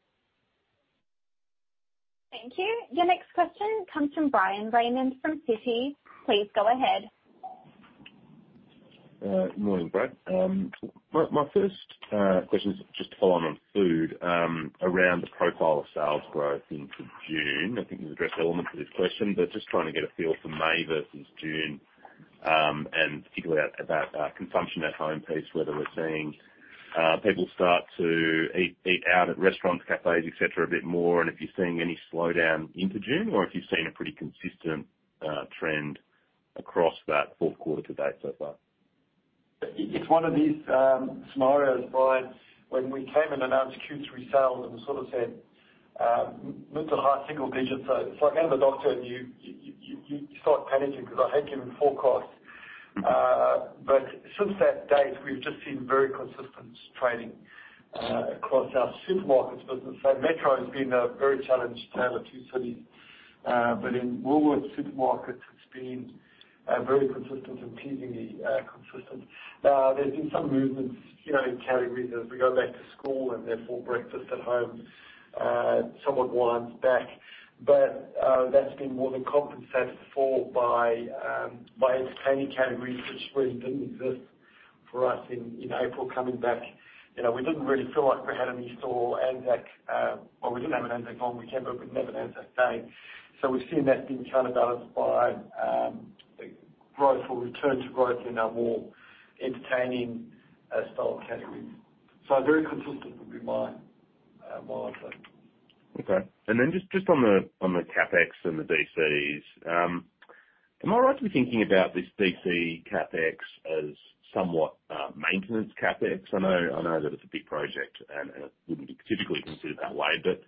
[SPEAKER 1] Thank you. Your next question comes from Bryan Raymond, from Citi. Please go ahead.
[SPEAKER 10] Good morning, Brad. My first question is just to follow on food around the profile of sales growth into June. I think you've addressed elements of this question, but just trying to get a feel for May versus June, and particularly about consumption at home piece, whether we're seeing people start to eat out at restaurants, cafes, et cetera, a bit more, and if you're seeing any slowdown into June, or if you've seen a pretty consistent trend across that Q4 to date so far?
[SPEAKER 2] It's one of these scenarios, Bryan, when we came and announced Q3 sales and sort of said mid to high single digits. So it's like going to the doctor and you you start panicking because I hate giving forecasts. But since that date, we've just seen very consistent trading across our supermarkets business. So Metro has been a very challenged player to cities, but in Woolworths Supermarkets, it's been very consistent and pleasingly consistent. There's been some movements, you know, in categories as we go back to school and therefore breakfast at home somewhat winds back. But that's been more than compensated for by by entertaining categories which really didn't exist for us in April coming back. You know, we didn't really feel like we had any strong ANZAC, or we didn't have an ANZAC long weekend, but we've never had ANZAC Day. So we've seen that being counterbalanced by growth or return to growth in our more entertaining style categories. So very consistent would be my answer.
[SPEAKER 10] Okay. And then just on the CapEx and the DCs, am I right in thinking about this DC CapEx as somewhat maintenance CapEx? I know, I know that it's a big project and it wouldn't be typically considered that way, but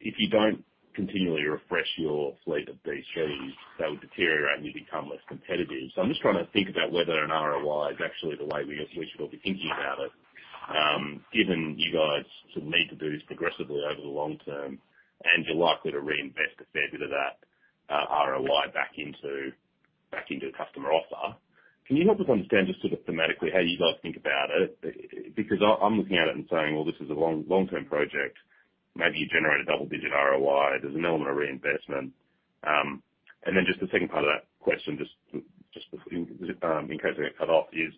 [SPEAKER 10] if you don't continually refresh your fleet of DCs, they would deteriorate, and you become less competitive. So I'm just trying to think about whether an ROI is actually the way we should all be thinking about it, given you guys sort of need to do this progressively over the long term, and you're likely to reinvest a fair bit of that ROI back into a customer offer. Can you help us understand just sort of thematically, how you guys think about it? Because I, I'm looking at it and saying, "Well, this is a long, long-term project. Maybe you generate a double-digit ROI. There's an element of reinvestment. And then just the second part of that question, just, in case I get cut off, is,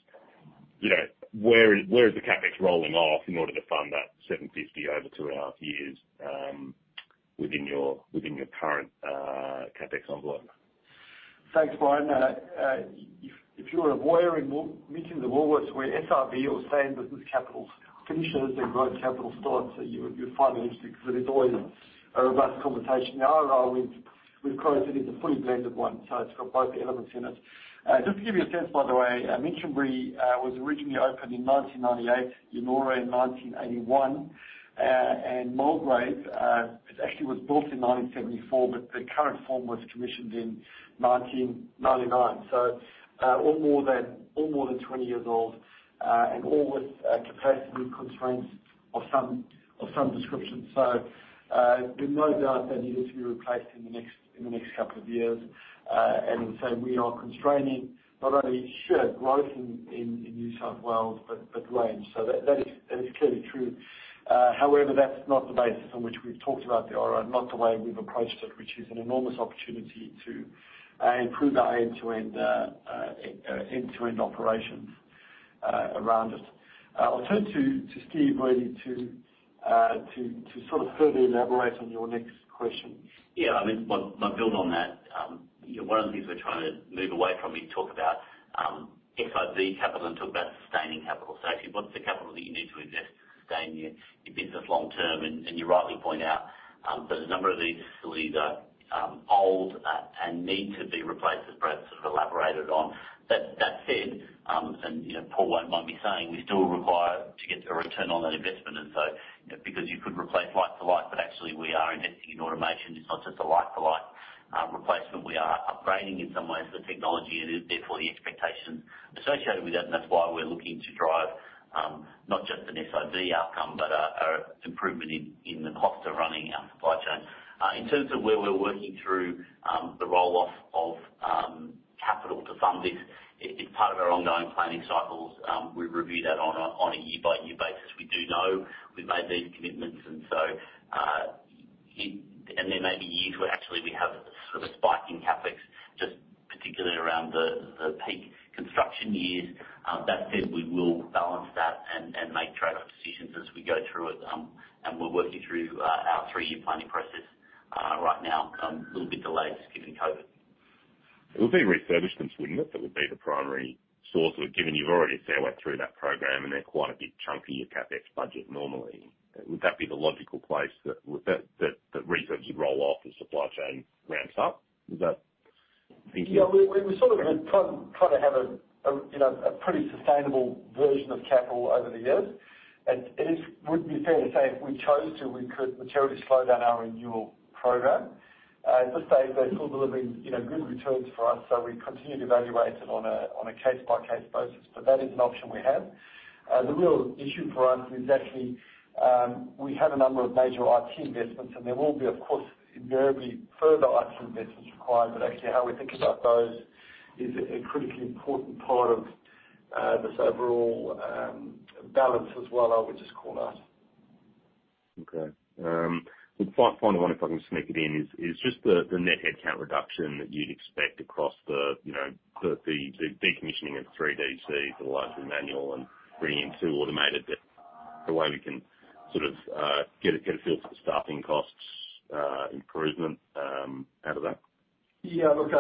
[SPEAKER 10] you know, where is the CapEx rolling off in order to fund that 750 over two and a half years, within your current CapEx envelope?
[SPEAKER 2] Thanks, Bryan. If you're a lawyer in the Woolworths board meeting where SIB or stay-in-business capital decisions have been growing capital starts, so you'd find it interesting, but there's always a robust conversation. The ROI we've closed, it is a fully blended one, so it's got both elements in it. Just to give you a sense, by the way, Minchinbury was originally opened in 1998, Yennora in 1981, and Mulgrave, it actually was built in 1974, but the current form was commissioned in 1999. So, all more than 20 years old, and all with capacity constraints of some description. So, there's no doubt they needed to be replaced in the next couple of years. And so we are constraining not only our growth in New South Wales, but range. So that is clearly true. However, that's not the basis on which we've talked about the ROI, not the way we've approached it, which is an enormous opportunity to improve our end-to-end operations around it. I'll turn to Steve, really, to sort of further elaborate on your next question.
[SPEAKER 4] Yeah, I mean, well, I'll build on that. You know, one of the things we're trying to move away from we talk about, SIB capital and talk about sustaining capital. So actually, what's the capital that you need to invest to sustain your business long term? And you rightly point out, that a number of these facilities are old and need to be replaced, as Brad sort of elaborated on. That said, and, you know, Paul won't mind me saying, we still require to get a return on that investment, like for like, but actually we are investing in automation. It's not just a like-for-like replacement. We are upgrading, in some ways, the technology, and therefore the expectations associated with that, and that's why we're looking to drive not just an SIB outcome, but an improvement in the cost of running our supply chain. In terms of where we're working through the roll-off of capital to fund this, it's part of our ongoing planning cycles. We review that on a year-by-year basis. We do know we've made these commitments, and so and there may be years where actually we have sort of a spike in CapEx, just particularly around the peak construction years. That said, we will balance that and make trade-off decisions as we go through it. And we're working through our three-year planning process right now. A little bit delayed given COVID.
[SPEAKER 10] It would be refurbishments, wouldn't it? That would be the primary source of, given you've already sailed through that program, and they're quite a bit chunky, your CapEx budget normally. Would that be the logical place that research you'd roll off as supply chain ramps up? Is that thinking?
[SPEAKER 2] Yeah, we sort of had tried to have a, you know, a pretty sustainable version of capital over the years. And it would be fair to say if we chose to, we could materially slow down our renewal program. At this stage, they're still delivering, you know, good returns for us, so we continue to evaluate it on a case-by-case basis. But that is an option we have. The real issue for us is actually, we have a number of major IT investments, and there will be, of course, invariably further IT investments required. But actually, how we think about those is a critically important part of this overall balance as well. I would just call out.
[SPEAKER 10] Okay. The final one, if I can just sneak it in, is just the net headcount reduction that you'd expect across, you know, the decommissioning of three DCs, the likes of manual and bringing in two automated, the way we can sort of get a feel for the staffing costs improvement out of that?
[SPEAKER 2] Yeah, look,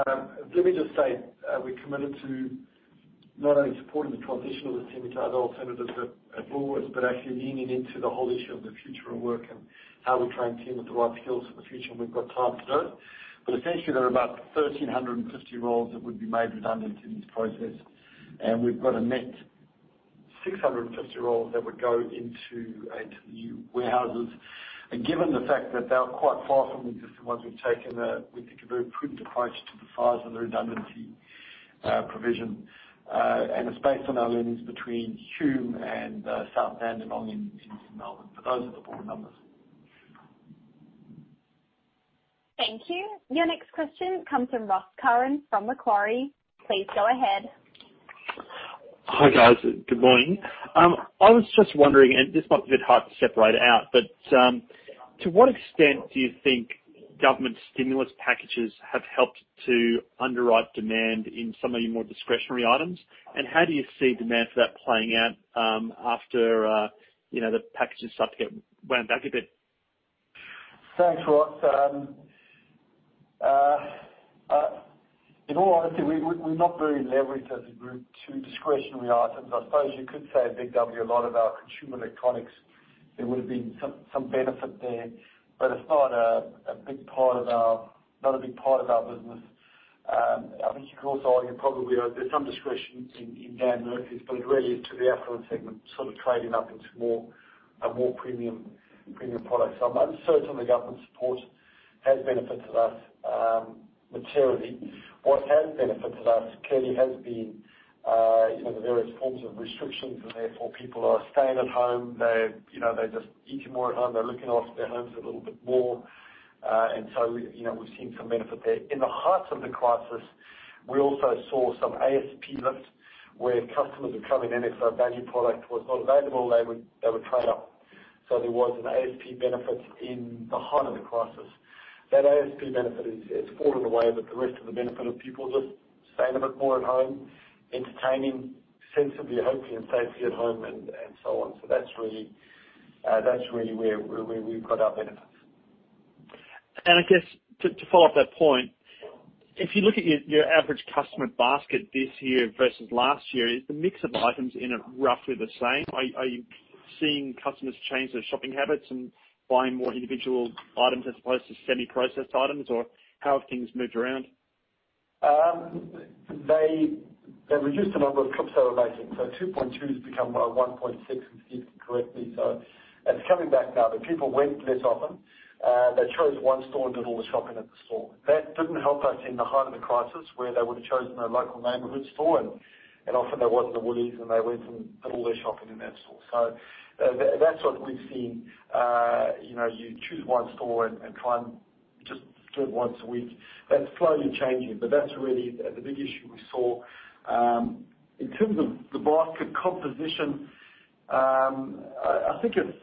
[SPEAKER 2] let me just say, we're committed to not only supporting the transition of the team into other alternatives, but at Woolworths, but actually leaning into the whole issue of the future of work and how we train team with the right skills for the future, and we've got time to do it. But essentially, there are about 1,350 roles that would be made redundant in this process, and we've got a net 650 roles that would go into to the new warehouses. And given the fact that they are quite far from the existing ones, we've taken a, we think, a very prudent approach to the size of the redundancy provision. And it's based on our learnings between Hume and Southland and also in Melbourne. So those are the raw numbers.
[SPEAKER 1] Thank you. Your next question comes from Ross Curran from Macquarie. Please go ahead.
[SPEAKER 11] Hi, guys. Good morning. I was just wondering, and this might be a bit hard to separate out, but, to what extent do you think government stimulus packages have helped to underwrite demand in some of your more discretionary items? And how do you see demand for that playing out, after, you know, the packages start to get wound back a bit?
[SPEAKER 2] Thanks, Ross. In all honesty, we're not very leveraged as a group to discretionary items. I suppose you could say at Big W, a lot of our consumer electronics, there would have been some benefit there, but it's not a big part of our business. I think you could also argue, probably, there's some discretion in Dan Murphy's, but it really is to the affluent segment, sort of trading up into more premium products. I'm uncertain the government support has benefited us materially. What has benefited us clearly has been you know, the various forms of restrictions, and therefore, people are staying at home. They're, you know, they're just eating more at home, they're looking after their homes a little bit more, and so, you know, we've seen some benefit there. In the heart of the crisis, we also saw some ASP lift, where customers would come in and if a value product was not available, they would trade up. So there was an ASP benefit in the height of the crisis. That ASP benefit is, it's fallen away, but the rest of the benefit of people just staying a bit more at home, entertaining sensibly, hopefully, and safely at home, and so on. So that's really where we've got our benefit.
[SPEAKER 11] I guess to follow up that point, if you look at your average customer basket this year versus last year, is the mix of items in it roughly the same? Are you seeing customers change their shopping habits and buying more individual items as opposed to semi-processed items, or how have things moved around?
[SPEAKER 2] They reduced the number of trips they were making, so 2.2 has become 1.6, if I remember correctly. So it's coming back now, but people went less often. They chose one store and did all the shopping at the store. That didn't help us in the height of the crisis, where they would've chosen a local neighborhood store, and often that wasn't a Woolies, and they went and did all their shopping in that store. So that's what we've seen. You know, you choose one store and try and just do it once a week. That's slowly changing, but that's really the big issue we saw. In terms of the basket composition, I think it's...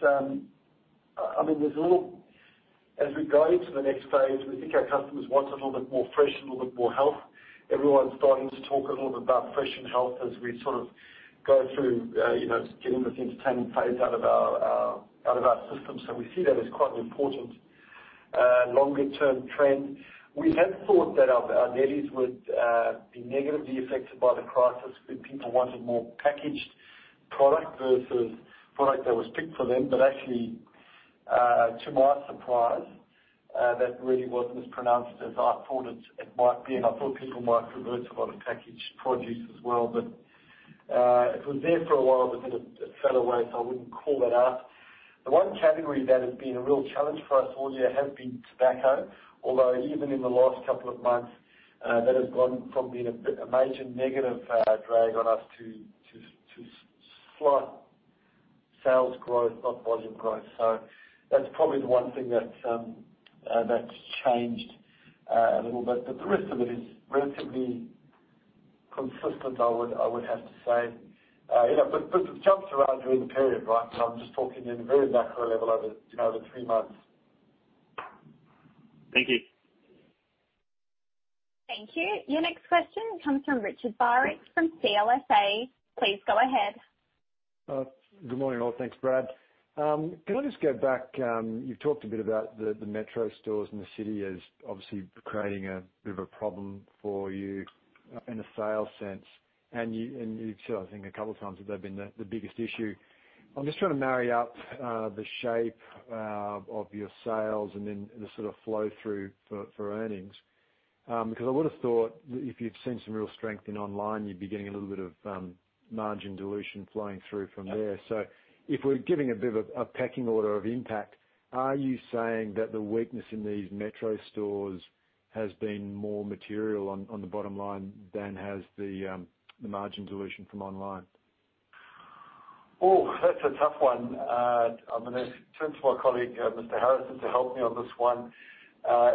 [SPEAKER 2] I mean, there's a little. As we go into the next phase, we think our customers want a little bit more fresh, a little bit more health. Everyone's starting to talk a little bit about fresh and health as we sort of go through, you know, getting this entertaining phase out of our system. So we see that as quite an important longer-term trend. We had thought that our delis would be negatively affected by the crisis, that people wanted more packaged product versus product that was picked for them. But actually, to my surprise, that really wasn't as pronounced as I thought it might be, and I thought people might revert to a lot of packaged produce as well. But it was there for a while, but then it fell away, so I wouldn't call that out. The one category that has been a real challenge for us all year has been tobacco, although even in the last couple of months, that has gone from being a major negative drag on us to slight sales growth, not volume growth. So that's probably the one thing that's changed a little bit, but the rest of it is relatively consistent, I would have to say. You know, but it jumps around during the period, right? I'm just talking in a very macro level over, you know, the three months.
[SPEAKER 11] Thank you.
[SPEAKER 1] Thank you. Your next question comes from Richard Barwick, from CLSA. Please go ahead.
[SPEAKER 12] Good morning, all. Thanks, Brad. Can I just go back? You've talked a bit about the Metro stores in the city as obviously creating a bit of a problem for you in a sales sense, and you've said, I think a couple of times, that they've been the biggest issue. I'm just trying to marry up the shape of your sales and then the sort of flow through for earnings. Because I would've thought if you'd seen some real strength in online, you'd be getting a little bit of margin dilution flowing through from there. So if we're giving a bit of a pecking order of impact, are you saying that the weakness in these Metro stores has been more material on the bottom line than has the margin dilution from online?
[SPEAKER 2] Oh, that's a tough one. I'm gonna turn to my colleague, Mr. Harrison, to help me on this one.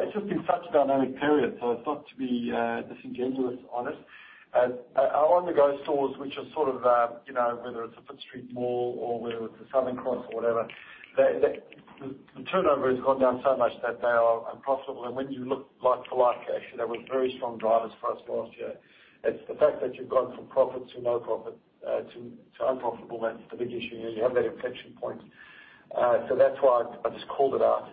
[SPEAKER 2] It's just been such a dynamic period, so as not to be disingenuous on it. Our On-the-Go stores, which are sort of, you know, whether it's a Pitt Street Mall or whether it's a Southern Cross or whatever, the turnover has gone down so much that they are unprofitable. When you look like for like, actually, they were very strong drivers for us last year. It's the fact that you've gone from profit to no profit to unprofitable, that's the big issue. You have that inflection point. So that's why I just called it out.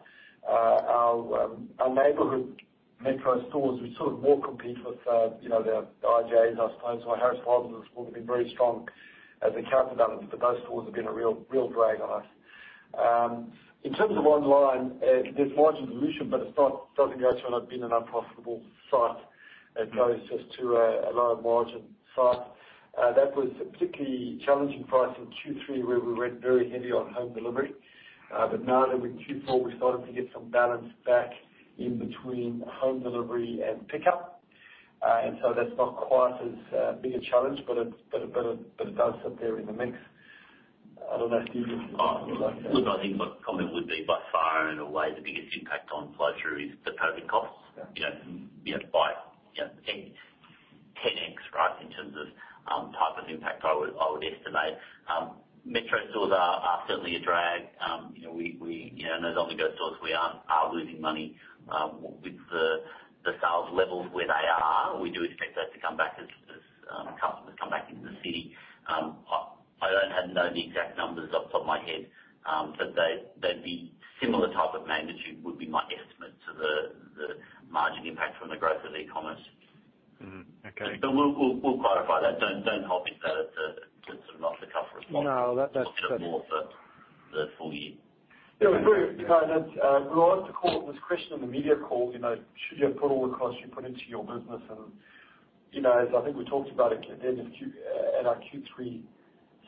[SPEAKER 2] Our neighborhood Metro stores, which sort of more compete with, you know, the IGAs, I suppose, so Harris Farm Markets would have been very strong at the counter balance, but those stores have been a real, real drag on us. In terms of online, there's margin dilution, but it's not- doesn't go to not being an unprofitable site. It goes just to a lower margin site. That was particularly challenging for us in Q3, where we went very heavy on home delivery. Now that with Q4, we started to get some balance back in between home delivery and pickup. And so that's not quite as big a challenge, but it does sit there in the mix. I don't know if you'd like to-
[SPEAKER 4] Oh, look, I think my comment would be by far and away, the biggest impact on flow through is the COVID costs.
[SPEAKER 2] Yeah.
[SPEAKER 4] You know, you know, by, you know, 10x, right, in terms of type of impact I would estimate. Metro stores are certainly a drag. You know, we, you know, in those On-the-Go stores, we are losing money with the sales levels where they are. We do expect that to come back as customers come back into the city. I don't know the exact numbers off the top of my head, but they'd be similar type of magnitude, would be my estimate to the margin impact from the growth of e-commerce.
[SPEAKER 12] Mm-hmm. Okay.
[SPEAKER 4] We'll clarify that. Don't hold me to that as a sort of off-the-cuff response.
[SPEAKER 12] No, that's-
[SPEAKER 4] More of the full year.
[SPEAKER 2] Yeah, we kind of, we like to call it this question on the media call, you know, should you have put all the costs you put into your business? And, you know, as I think we talked about it at the end of Q3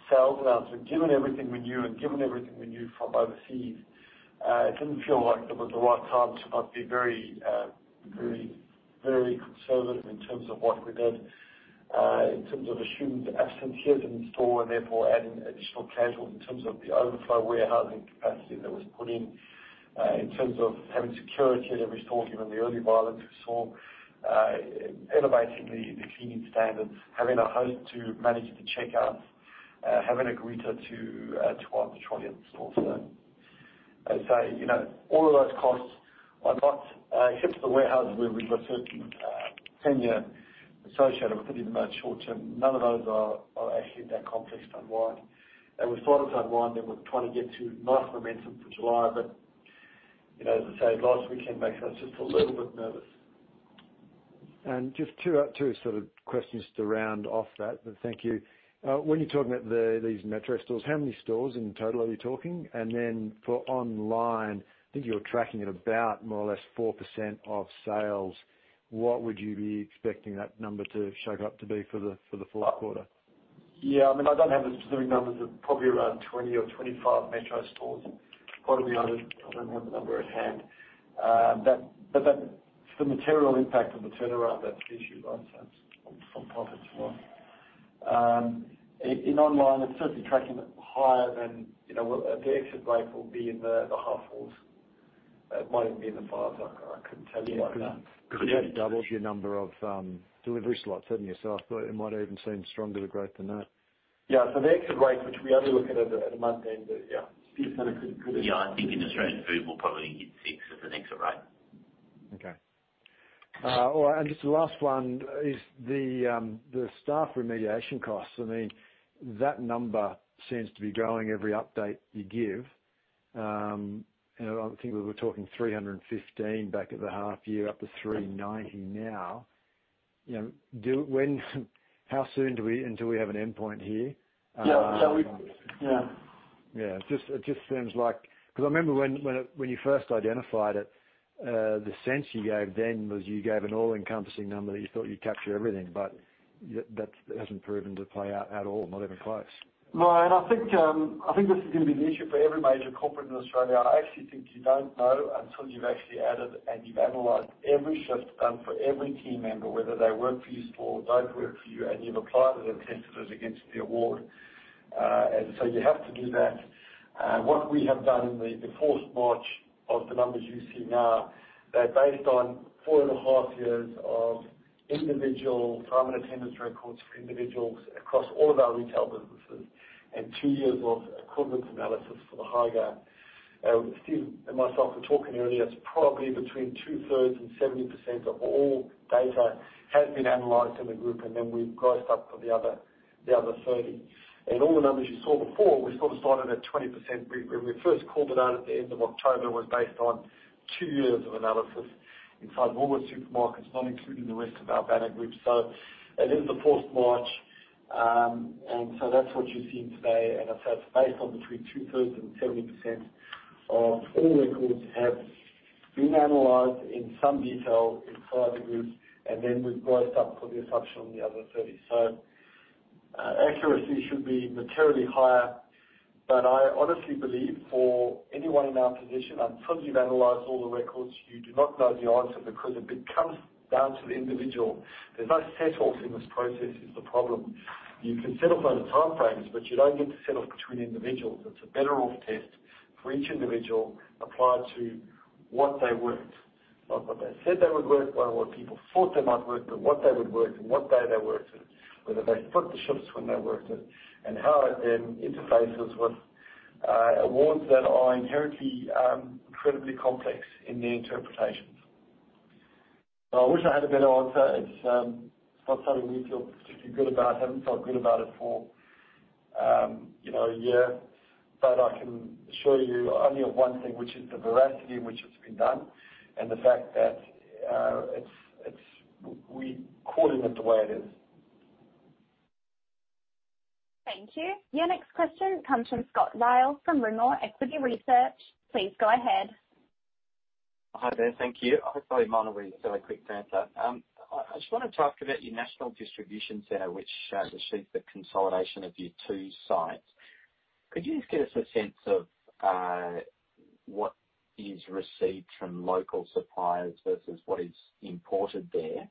[SPEAKER 2] sales announcement, given everything we knew and given everything we knew from overseas, it didn't feel like it was the right time to not be very, very, very conservative in terms of what we did, in terms of assuming the absenteeism in store and therefore adding additional casuals in terms of the overflow warehousing capacity that was put in. In terms of having security at every store, given the early violence we saw, elevating the cleaning standards, having a host to manage the checkouts, having a greeter to welcome to stores. I'd say, you know, all of those costs are not, except for the warehouse, where we've got certain tenure associated with it, even though it's short-term, none of those are actually that complex to unwind. We thought it was unwind, and we're trying to get to nice momentum for July. You know, as I say, last weekend makes us just a little bit nervous.
[SPEAKER 12] And just two sort of questions to round off that. Thank you. When you're talking about these Metro stores, how many stores in total are you talking? And then for online, I think you're tracking at about more or less 4% of sales. What would you be expecting that number to shape up to be for the Q4?
[SPEAKER 2] Yeah, I mean, I don't have the specific numbers, probably around 20 or 25 Metro stores, part of the others. I don't have the number at hand. But that's the material impact of the turnaround. That's the issue, right? It's from profits as well. In online, it's certainly tracking higher than, you know, well, the exit rate will be in the H2 FY 2024. It might even be in the future, I couldn't tell you like that.
[SPEAKER 12] Because you have doubled your number of delivery slots, haven't you? So I thought it might even seem stronger, the growth, than that.
[SPEAKER 2] Yeah, so the exit rates, which we only look at it at a monthly, but yeah, it's kind of good.
[SPEAKER 4] Yeah, I think in Australian Food, we'll probably hit six as an exit rate.
[SPEAKER 12] Okay. All right, and just the last one is the staff remediation costs. I mean, that number seems to be growing every update you give. And I think we were talking 315 back at the half year, up to 390 now. Yeah, when, how soon until we have an endpoint here?
[SPEAKER 2] Yeah, yeah, we, yeah.
[SPEAKER 12] Yeah, it just seems like 'cause I remember when you first identified it, the sense you gave then was you gave an all-encompassing number that you thought you'd capture everything, but that hasn't proven to play out at all, not even close.
[SPEAKER 2] No, and I think this is gonna be an issue for every major corporate in Australia. I actually think you don't know until you've actually added and you've analyzed every shift done for every team member, whether they work for you or don't work for you, and you've applied it and tested it against the award. And so you have to do that. What we have done in the Q4 of the numbers you see now, they're based on four and a half years of individual time and attendance records for individuals across all of our retail businesses, and two years of equivalent analysis for the HIGA. Steve and myself were talking earlier, it's probably between two-thirds and 70% of all data has been analyzed in the group, and then we've grossed up for the other thirty. All the numbers you saw before, we sort of started at 20%. When we first called it out at the end of October, it was based on two years of analysis inside Woolworths Supermarkets, not including the rest of our banner group. So it is the fourth March, and so that's what you're seeing today. And I said, it's based on between two-thirds and 70% of all records have been analyzed in some detail inside the group, and then we've grossed up for the assumption on the other 30. So, accuracy should be materially higher, but I honestly believe for anyone in our position, until you've analyzed all the records, you do not know the answer because it becomes down to the individual. There's no set off in this process, is the problem. You can set off on the timeframes, but you don't get to set off between individuals. It's a better off test for each individual applied to what they worked, not what they said they would work, or what people thought they might work, but what they would work and what day they worked it, whether they split the shifts when they worked it, and how it then interfaces with awards that are inherently incredibly complex in their interpretations. So I wish I had a better answer. It's not something we feel particularly good about, haven't felt good about it for you know a year. But I can assure you only of one thing, which is the veracity in which it's been done, and the fact that it's we're calling it the way it is.
[SPEAKER 1] Thank you. Your next question comes from Scott Ryall, from Rimor Equity Research. Please go ahead.
[SPEAKER 13] Hi there. Thank you. Hopefully, mine will be a very quick answer. I just want to talk about your national distribution center, which receives the consolidation of your two sites. Could you just give us a sense of what is received from local suppliers versus what is imported there?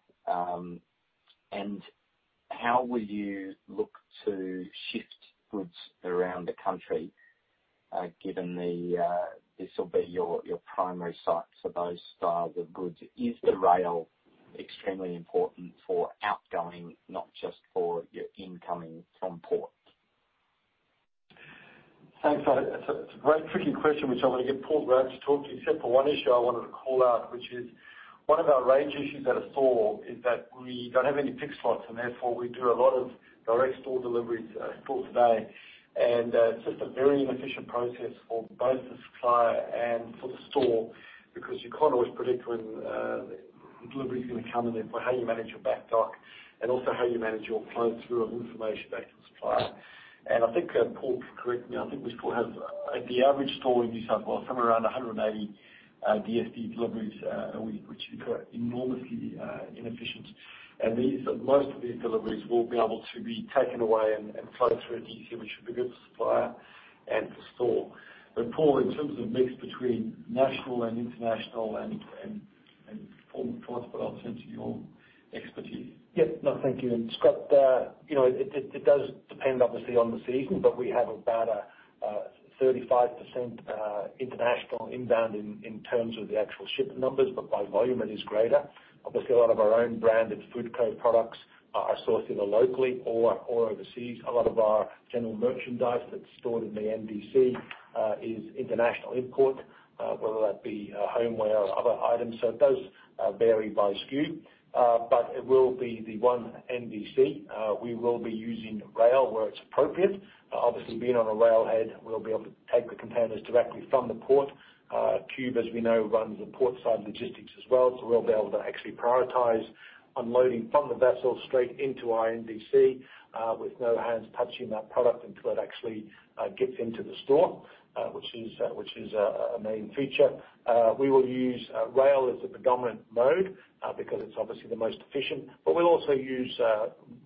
[SPEAKER 13] And how will you look to shift goods around the country, given that this will be your primary site for those styles of goods? Is the rail extremely important for outgoing, not just for your incoming from ports?
[SPEAKER 2] Thanks, so it's a great tricky question, which I'm gonna get Paul Graham to talk to, except for one issue I wanted to call out, which is one of our range issues at a store, is that we don't have any pick slots, and therefore, we do a lot of direct store deliveries for today, and it's just a very inefficient process for both the supplier and for the store, because you can't always predict when delivery is going to come in, and therefore how you manage your back dock, and also how you manage your flow through of information back to the supplier, and I think, Paul, correct me, I think we still have, like, the average store in New South Wales, somewhere around 180 DSD deliveries a week, which is enormously inefficient. And these are most of these deliveries will be able to be taken away and flow through easier, which will be good for supplier and for store. But Paul, in terms of mix between national and international and port, but I'll turn to your expertise.
[SPEAKER 5] Yep. No, thank you. And Scott, you know, it does depend obviously on the season, but we have about a 35% international inbound in terms of the actual shipping numbers, but by volume, it is greater. Obviously, a lot of our own branded FoodCo products are sourced either locally or overseas. A lot of our general merchandise that's stored in the NDC is international import whether that be homeware or other items. So it does vary by SKU, but it will be the one NDC. We will be using rail where it's appropriate. Obviously, being on a railhead, we'll be able to take the containers directly from the port. Qube, as we know, runs the port-side logistics as well, so we'll be able to actually prioritize unloading from the vessel straight into our NDC, with no hands touching that product until it actually gets into the store, which is a main feature. We will use rail as the predominant mode, because it's obviously the most efficient, but we'll also use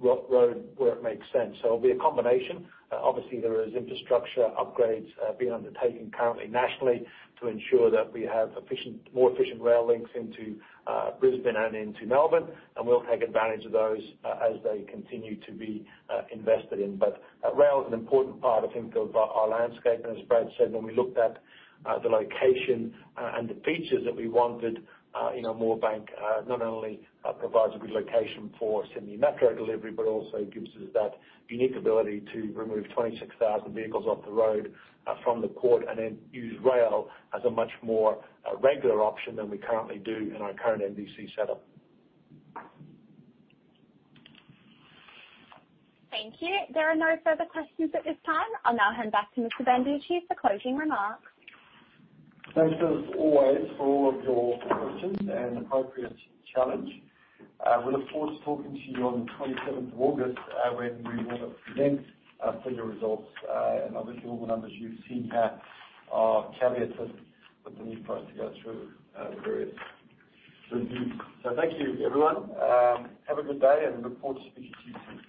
[SPEAKER 5] road where it makes sense, so it'll be a combination. Obviously, there is infrastructure upgrades being undertaken currently, nationally, to ensure that we have efficient, more efficient rail links into Brisbane and into Melbourne, and we'll take advantage of those as they continue to be invested in, but rail is an important part, I think, of our landscape. And as Brad said, when we looked at the location and the features that we wanted, you know, Moorebank not only provides a good location for semi-metro delivery, but also gives us that unique ability to remove twenty-six thousand vehicles off the road from the port, and then use rail as a much more regular option than we currently do in our current NDC setup.
[SPEAKER 1] Thank you. There are no further questions at this time. I'll now hand back to Mr. Banducci for closing remarks.
[SPEAKER 2] Thanks, as always, for all of your questions and appropriate challenge. We look forward to talking to you on the twenty-seventh of August, when we will present full year results. And obviously, all the numbers you've seen here are caveated with the need for us to go through various reviews. So thank you, everyone. Have a good day, and look forward to speaking to you soon.